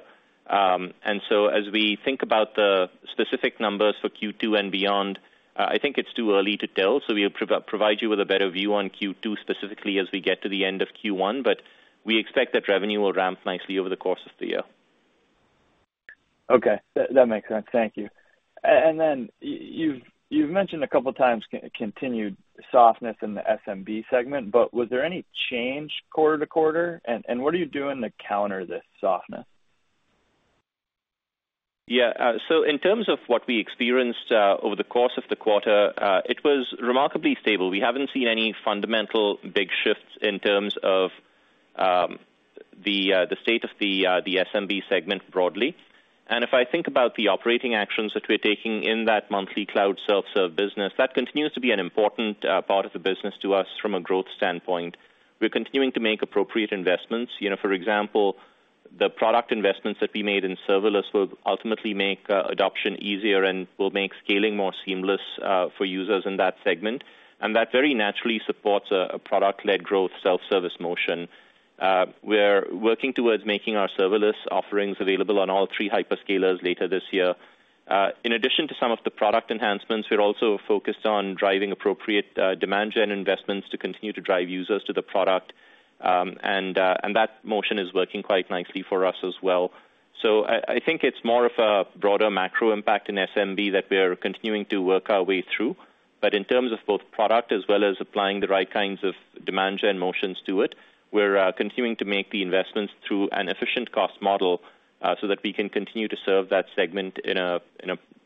And so as we think about the specific numbers for Q2 and beyond, I think it's too early to tell, so we'll provide you with a better view on Q2, specifically as we get to the end of Q1, but we expect that revenue will ramp nicely over the course of the year. Okay, that makes sense. Thank you. And then you've mentioned a couple of times continued softness in the SMB segment, but was there any change quarter to quarter? And what are you doing to counter this softness? Yeah, so in terms of what we experienced over the course of the quarter, it was remarkably stable. We haven't seen any fundamental big shifts in terms of the state of the SMB segment broadly.... And if I think about the operating actions that we're taking in that monthly cloud self-serve business, that continues to be an important part of the business to us from a growth standpoint. We're continuing to make appropriate investments. You know, for example, the product investments that we made in serverless will ultimately make adoption easier and will make scaling more seamless for users in that segment. And that very naturally supports a product-led growth self-service motion. We're working towards making our serverless offerings available on all three hyperscalers later this year. In addition to some of the product enhancements, we're also focused on driving appropriate demand gen investments to continue to drive users to the product. And that motion is working quite nicely for us as well. So I think it's more of a broader macro impact in SMB that we are continuing to work our way through. But in terms of both product as well as applying the right kinds of demand gen motions to it, we're continuing to make the investments through an efficient cost model, so that we can continue to serve that segment in a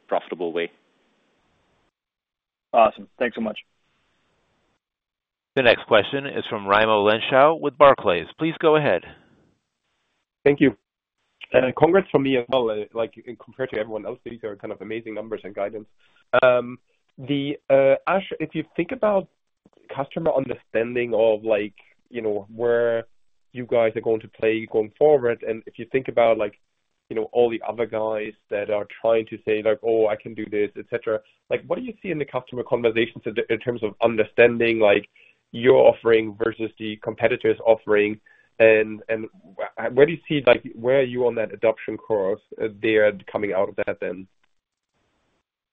profitable way. Awesome. Thanks so much. The next question is from Raimo Lenschow with Barclays. Please go ahead. Thank you. Congrats from me as well. Like, in compared to everyone else, these are kind of amazing numbers and guidance. Ash, if you think about customer understanding of like, you know, where you guys are going to play going forward, and if you think about, like, you know, all the other guys that are trying to say, like, "Oh, I can do this," et cetera, like, what do you see in the customer conversations in terms of understanding, like, your offering versus the competitor's offering? And where do you see, like... Where are you on that adoption course there coming out of that then?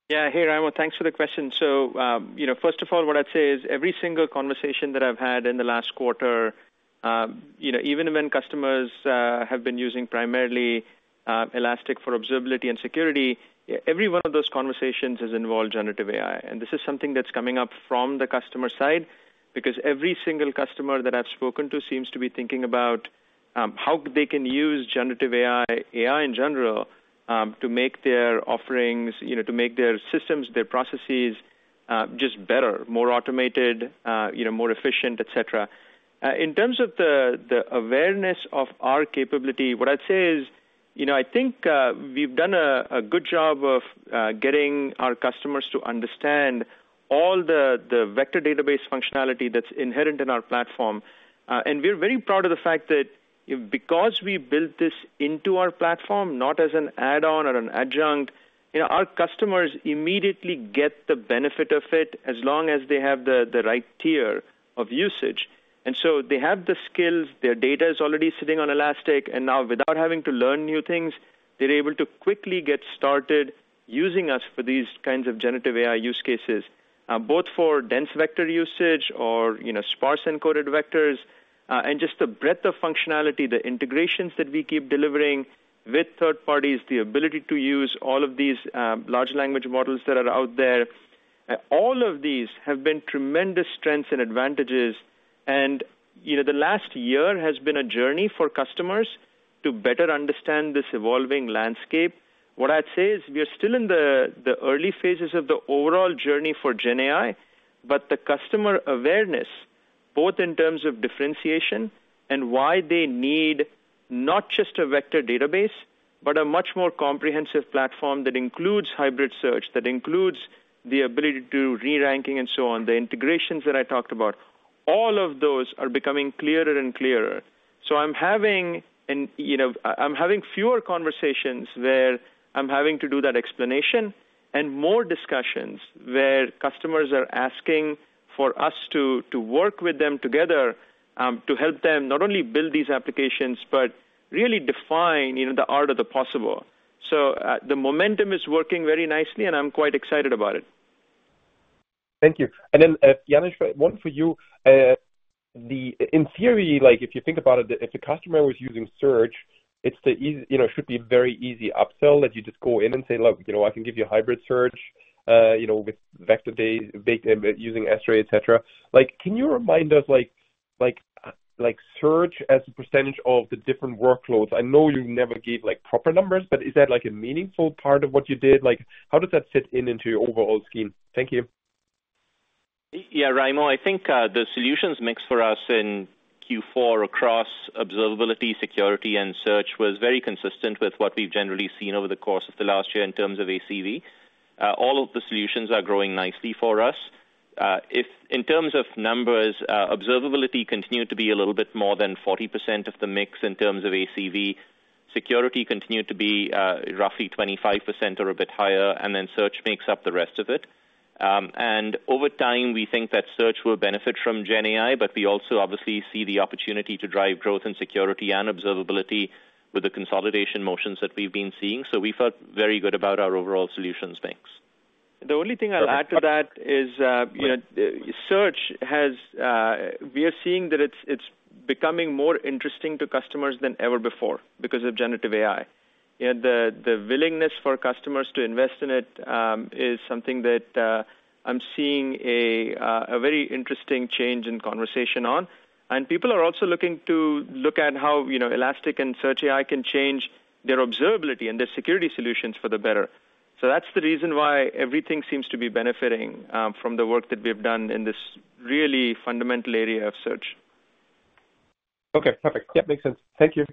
Yeah. Hey, Raimo, thanks for the question. So, you know, first of all, what I'd say is every single conversation that I've had in the last quarter, you know, even when customers have been using primarily Elastic for observability and security, every one of those conversations has involved generative AI. And this is something that's coming up from the customer side, because every single customer that I've spoken to seems to be thinking about how they can use generative AI, AI in general, to make their offerings, you know, to make their systems, their processes just better, more automated, you know, more efficient, et cetera. In terms of the awareness of our capability, what I'd say is, you know, I think we've done a good job of getting our customers to understand all the vector database functionality that's inherent in our platform. And we're very proud of the fact that because we built this into our platform, not as an add-on or an adjunct, you know, our customers immediately get the benefit of it as long as they have the right tier of usage. They have the skills, their data is already sitting on Elastic, and now without having to learn new things, they're able to quickly get started using us for these kinds of generative AI use cases, both for dense vector usage or, you know, sparse encoded vectors, and just the breadth of functionality, the integrations that we keep delivering with third parties, the ability to use all of these, large language models that are out there. All of these have been tremendous strengths and advantages, and, you know, the last year has been a journey for customers to better understand this evolving landscape. What I'd say is we are still in the early phases of the overall journey for GenAI, but the customer awareness, both in terms of differentiation and why they need not just a vector database, but a much more comprehensive platform that includes hybrid search, that includes the ability to do re-ranking and so on, the integrations that I talked about, all of those are becoming clearer and clearer. So I'm having fewer conversations where I'm having to do that explanation, and more discussions where customers are asking for us to work with them together, to help them not only build these applications, but really define, you know, the art of the possible. So the momentum is working very nicely, and I'm quite excited about it. Thank you. And then, Janesh, one for you. In theory, like, if you think about it, if the customer was using Search, it's the easy, you know, it should be a very easy upsell, that you just go in and say: "Look, you know, I can give you a hybrid search, you know, with vector-based using X-Ray, et cetera." Like, can you remind us, like, Search as a percentage of the different workloads? I know you never gave, like, proper numbers, but is that, like, a meaningful part of what you did? Like, how does that fit in into your overall scheme? Thank you. Yeah, Raimo, I think the solutions mix for us in Q4 across Observability, Security, and Search was very consistent with what we've generally seen over the course of the last year in terms of ACV. All of the solutions are growing nicely for us. In terms of numbers, observability continued to be a little bit more than 40% of the mix in terms of ACV. Security continued to be roughly 25% or a bit higher, and then Search makes up the rest of it. And over time, we think that Search will benefit from GenAI, but we also obviously see the opportunity to drive growth in security and observability with the consolidation motions that we've been seeing. So we felt very good about our overall solutions, thanks. The only thing I'll add to that is, you know, Search has. We are seeing that it's becoming more interesting to customers than ever before because of generative AI. You know, the willingness for customers to invest in it is something that I'm seeing a very interesting change in conversation on. And people are also looking at how, you know, Elastic and Search AI can change their observability and their security solutions for the better. So that's the reason why everything seems to be benefiting from the work that we've done in this really fundamental area of search. Okay, perfect. Yep, makes sense. Thank you.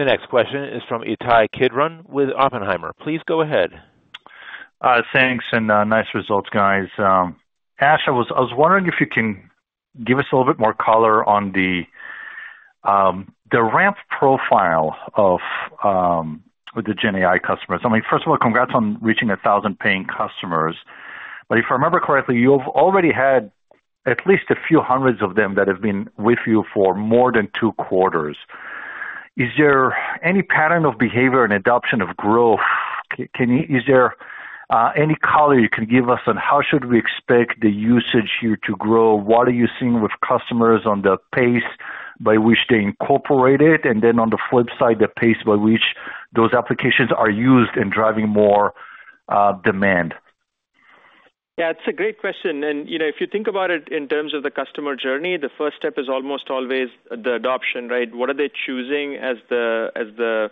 The next question is from Itay Kidron with Oppenheimer. Please go ahead. Thanks, and nice results, guys. Ash, I was, I was wondering if you can give us a little bit more color on the ramp profile of with the GenAI customers. I mean, first of all, congrats on reaching 1,000 paying customers, but if I remember correctly, you've already had at least a few hundreds of them that have been with you for more than 2 quarters. Is there any pattern of behavior and adoption of growth? Can you— Is there any color you can give us on how should we expect the usage here to grow? What are you seeing with customers on the pace by which they incorporate it, and then on the flip side, the pace by which those applications are used in driving more demand? Yeah, it's a great question, and, you know, if you think about it in terms of the customer journey, the first step is almost always the adoption, right? What are they choosing as the, as the,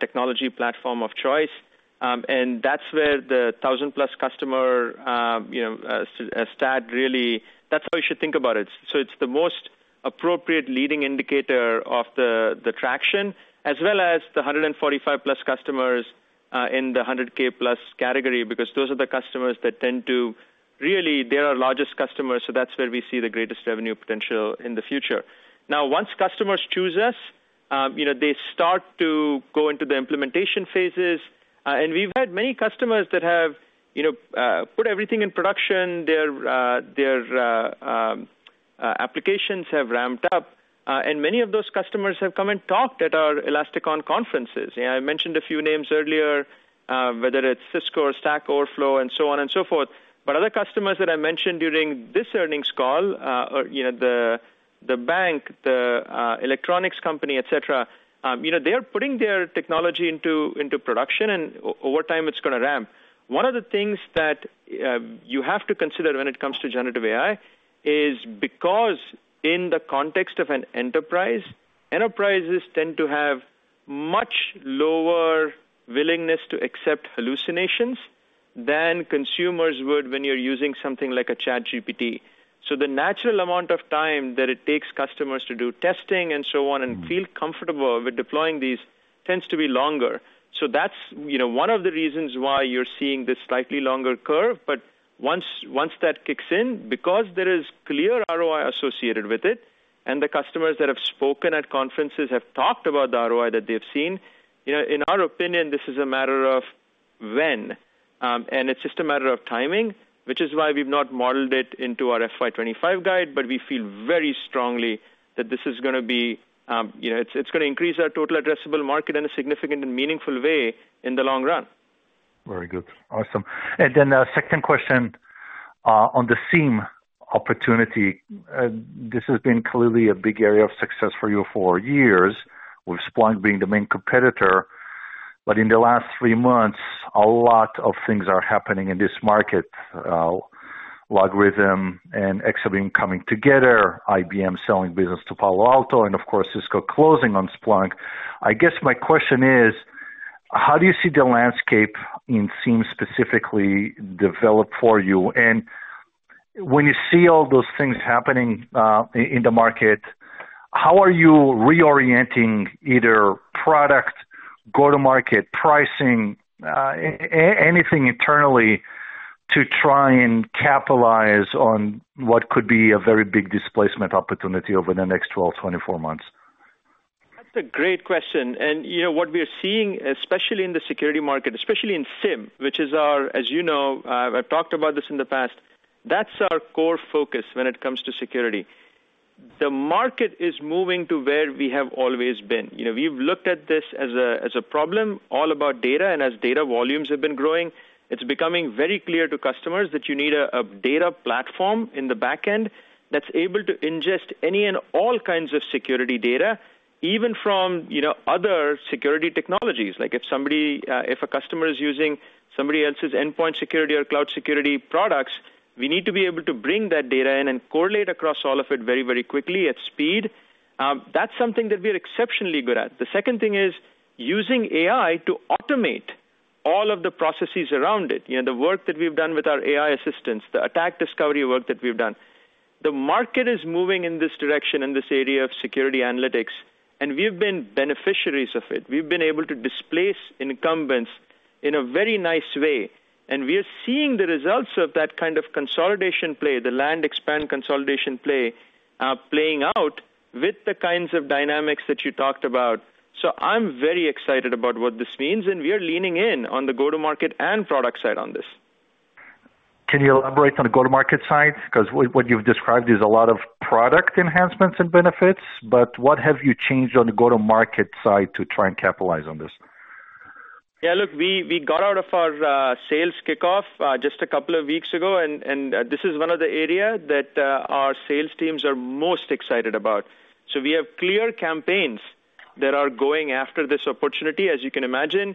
technology platform of choice? And that's where the 1,000-plus customer stat, really, that's how you should think about it. So it's the most appropriate leading indicator of the, the traction, as well as the 145-plus customers in the 100K-plus category, because those are the customers that tend to... Really, they're our largest customers, so that's where we see the greatest revenue potential in the future. Now, once customers choose us, you know, they start to go into the implementation phases, and we've had many customers that have, you know, put everything in production. Their applications have ramped up, and many of those customers have come and talked at our Elastic On conferences. You know, I mentioned a few names earlier, whether it's Cisco or Stack Overflow and so on and so forth. But other customers that I mentioned during this earnings call, or, you know, the bank, the electronics company, et cetera, you know, they are putting their technology into production, and over time, it's gonna ramp. One of the things that you have to consider when it comes to generative AI is because in the context of an enterprise, enterprises tend to have much lower willingness to accept hallucinations than consumers would when you're using something like a ChatGPT. So the natural amount of time that it takes customers to do testing and so on, and feel comfortable with deploying these, tends to be longer. So that's, you know, one of the reasons why you're seeing this slightly longer curve, but once, once that kicks in, because there is clear ROI associated with it, and the customers that have spoken at conferences have talked about the ROI that they've seen, you know, in our opinion, this is a matter of when, and it's just a matter of timing, which is why we've not modeled it into our FY 25 guide. But we feel very strongly that this is gonna be, you know, it's, it's gonna increase our total addressable market in a significant and meaningful way in the long run. Very good. Awesome. And then, second question, on the SIEM opportunity. This has been clearly a big area of success for you for years, with Splunk being the main competitor. But in the last 3 months, a lot of things are happening in this market. LogRhythm and Exabeam coming together, IBM selling business to Palo Alto, and of course, Cisco closing on Splunk. I guess my question is, how do you see the landscape in SIEM specifically develop for you? And when you see all those things happening, in the market, how are you reorienting either product, go-to-market, pricing, anything internally to try and capitalize on what could be a very big displacement opportunity over the next 12-24 months? That's a great question. You know, what we are seeing, especially in the security market, especially in SIEM, which is our... As you know, I've, I've talked about this in the past, that's our core focus when it comes to security. The market is moving to where we have always been. You know, we've looked at this as a, as a problem all about data, and as data volumes have been growing, it's becoming very clear to customers that you need a, a data platform in the back end that's able to ingest any and all kinds of security data, even from, you know, other security technologies. Like, if somebody, if a customer is using somebody else's endpoint security or cloud security products, we need to be able to bring that data in and correlate across all of it very, very quickly at speed. That's something that we're exceptionally good at. The second thing is using AI to automate all of the processes around it. You know, the work that we've done with our AI assistants, the attack discovery work that we've done. The market is moving in this direction, in this area of security analytics, and we've been beneficiaries of it. We've been able to displace incumbents in a very nice way, and we are seeing the results of that kind of consolidation play, the land expand consolidation play, playing out with the kinds of dynamics that you talked about. So I'm very excited about what this means, and we are leaning in on the go-to-market and product side on this. Can you elaborate on the go-to-market side? Because what, what you've described is a lot of product enhancements and benefits, but what have you changed on the go-to-market side to try and capitalize on this? Yeah, look, we got out of our sales kickoff just a couple of weeks ago, and this is one of the area that our sales teams are most excited about. So we have clear campaigns that are going after this opportunity, as you can imagine.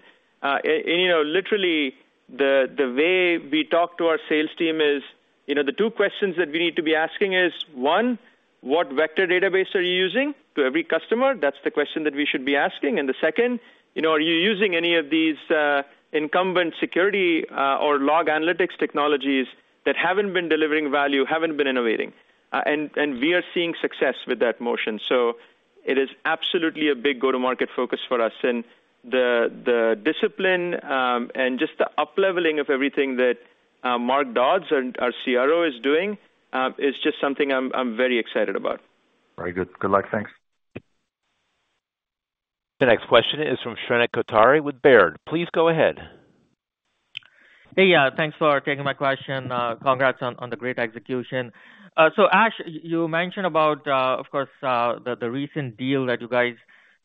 You know, literally, the way we talk to our sales team is, you know, the two questions that we need to be asking is, one, what vector database are you using to every customer? That's the question that we should be asking. And the second, you know, are you using any of these incumbent security or log analytics technologies that haven't been delivering value, haven't been innovating? And we are seeing success with that motion. So It is absolutely a big go-to-market focus for us, and the discipline, and just the up-leveling of everything that Mark Dodds, our CRO, is doing, is just something I'm very excited about. Very good. Good luck. Thanks. The next question is from Shrenik Kothari with Baird. Please go ahead. Hey, yeah, thanks for taking my question. Congrats on the great execution. So Ash, you mentioned about, of course, the recent deal that you guys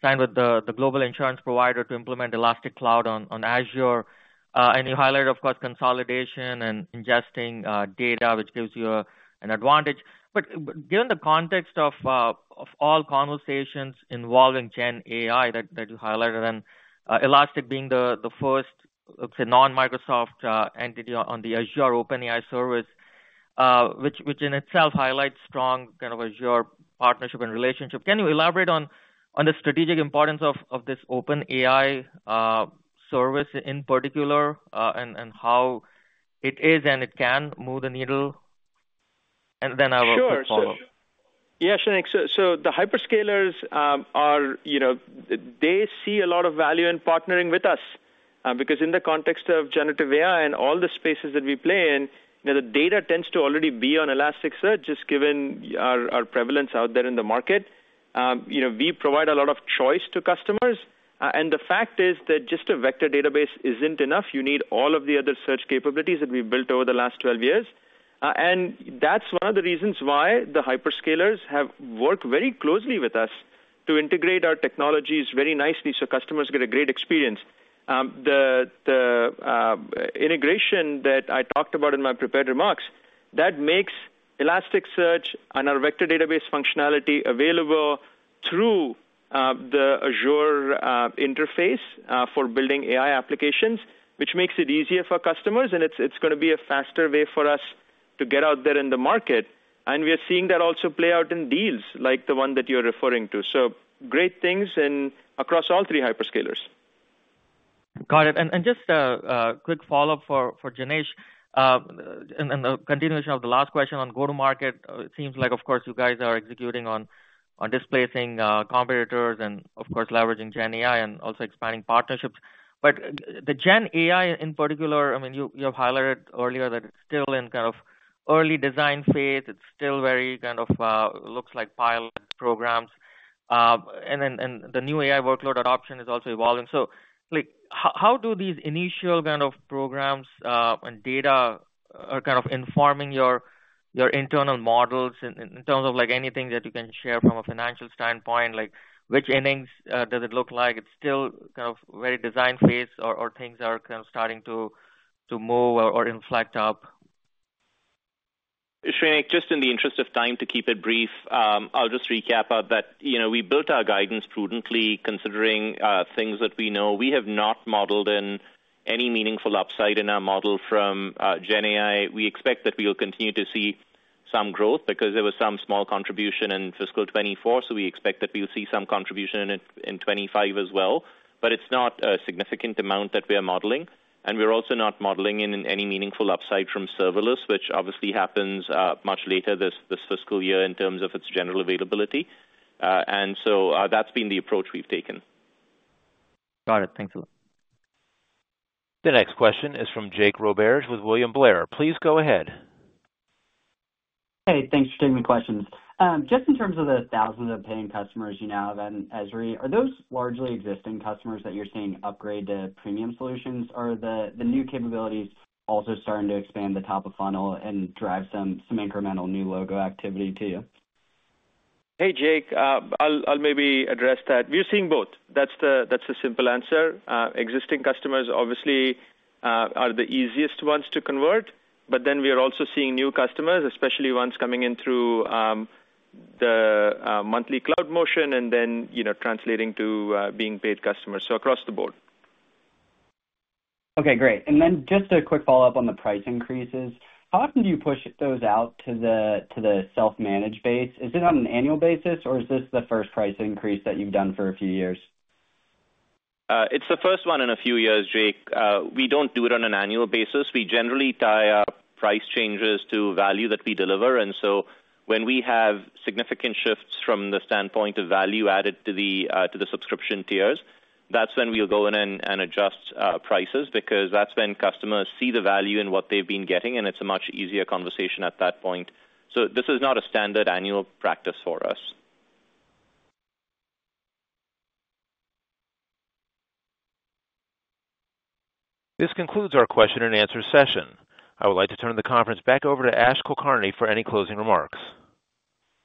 signed with the global insurance provider to implement Elastic Cloud on Azure. And you highlight, of course, consolidation and ingesting data, which gives you an advantage. But given the context of all conversations involving GenAI that you highlighted, and Elastic being the first, say, non-Microsoft entity on the Azure OpenAI Service, which in itself highlights strong kind of Azure partnership and relationship, can you elaborate on the strategic importance of this OpenAI service in particular, and how it is and it can move the needle? And then I will follow. Sure. Yeah, Shrenik, so the hyperscalers, you know, they see a lot of value in partnering with us because in the context of generative AI and all the spaces that we play in, the data tends to already be on Elasticsearch, just given our prevalence out there in the market. You know, we provide a lot of choice to customers. And the fact is that just a vector database isn't enough. You need all of the other search capabilities that we've built over the last 12 years. And that's one of the reasons why the hyperscalers have worked very closely with us to integrate our technologies very nicely so customers get a great experience. The integration that I talked about in my prepared remarks, that makes Elasticsearch and our vector database functionality available through the Azure interface for building AI applications, which makes it easier for customers, and it's gonna be a faster way for us to get out there in the market. And we are seeing that also play out in deals like the one that you're referring to. So great things and across all three hyperscalers. Got it. And just a quick follow-up for Jinesh, and a continuation of the last question on go-to-market. It seems like, of course, you guys are executing on displacing competitors and, of course, leveraging GenAI and also expanding partnerships. But the GenAI, in particular, I mean, you have highlighted earlier that it's still in kind of early design phase. It's still very kind of looks like pilot programs. And then the new AI workload adoption is also evolving. So, like, how do these initial kind of programs and data are kind of informing your internal models in terms of, like, anything that you can share from a financial standpoint? Like, which innings does it look like? It's still kind of very design phase or, or things are kind of starting to, to move or inflect up? Shrenik, just in the interest of time, to keep it brief, I'll just recap out that, you know, we built our guidance prudently, considering things that we know. We have not modeled in any meaningful upside in our model from GenAI. We expect that we will continue to see some growth because there was some small contribution in fiscal 2024, so we expect that we will see some contribution in 2025 as well. But it's not a significant amount that we are modeling, and we're also not modeling in any meaningful upside from serverless, which obviously happens much later this fiscal year in terms of its general availability. And so, that's been the approach we've taken. Got it. Thanks a lot. The next question is from Jake Roberge with William Blair. Please go ahead. Hey, thanks for taking my questions. Just in terms of the thousands of paying customers you now have in Elastic, are those largely existing customers that you're seeing upgrade to premium solutions? Or are the new capabilities also starting to expand the top of funnel and drive some incremental new logo activity to you? Hey, Jake, I'll maybe address that. We're seeing both. That's the simple answer. Existing customers obviously are the easiest ones to convert, but then we are also seeing new customers, especially ones coming in through the monthly cloud motion and then, you know, translating to being paid customers. So across the board. Okay, great. And then just a quick follow-up on the price increases. How often do you push those out to the self-managed base? Is it on an annual basis, or is this the first price increase that you've done for a few years? It's the first one in a few years, Jake. We don't do it on an annual basis. We generally tie our price changes to value that we deliver, and so when we have significant shifts from the standpoint of value added to the subscription tiers, that's when we'll go in and adjust prices, because that's when customers see the value in what they've been getting, and it's a much easier conversation at that point. So this is not a standard annual practice for us. This concludes our question and answer session. I would like to turn the conference back over to Ash Kulkarni for any closing remarks.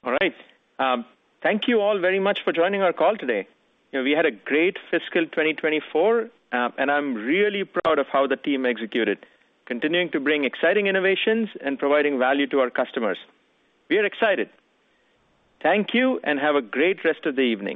All right. Thank you all very much for joining our call today. You know, we had a great fiscal 2024, and I'm really proud of how the team executed, continuing to bring exciting innovations and providing value to our customers. We are excited. Thank you, and have a great rest of the evening.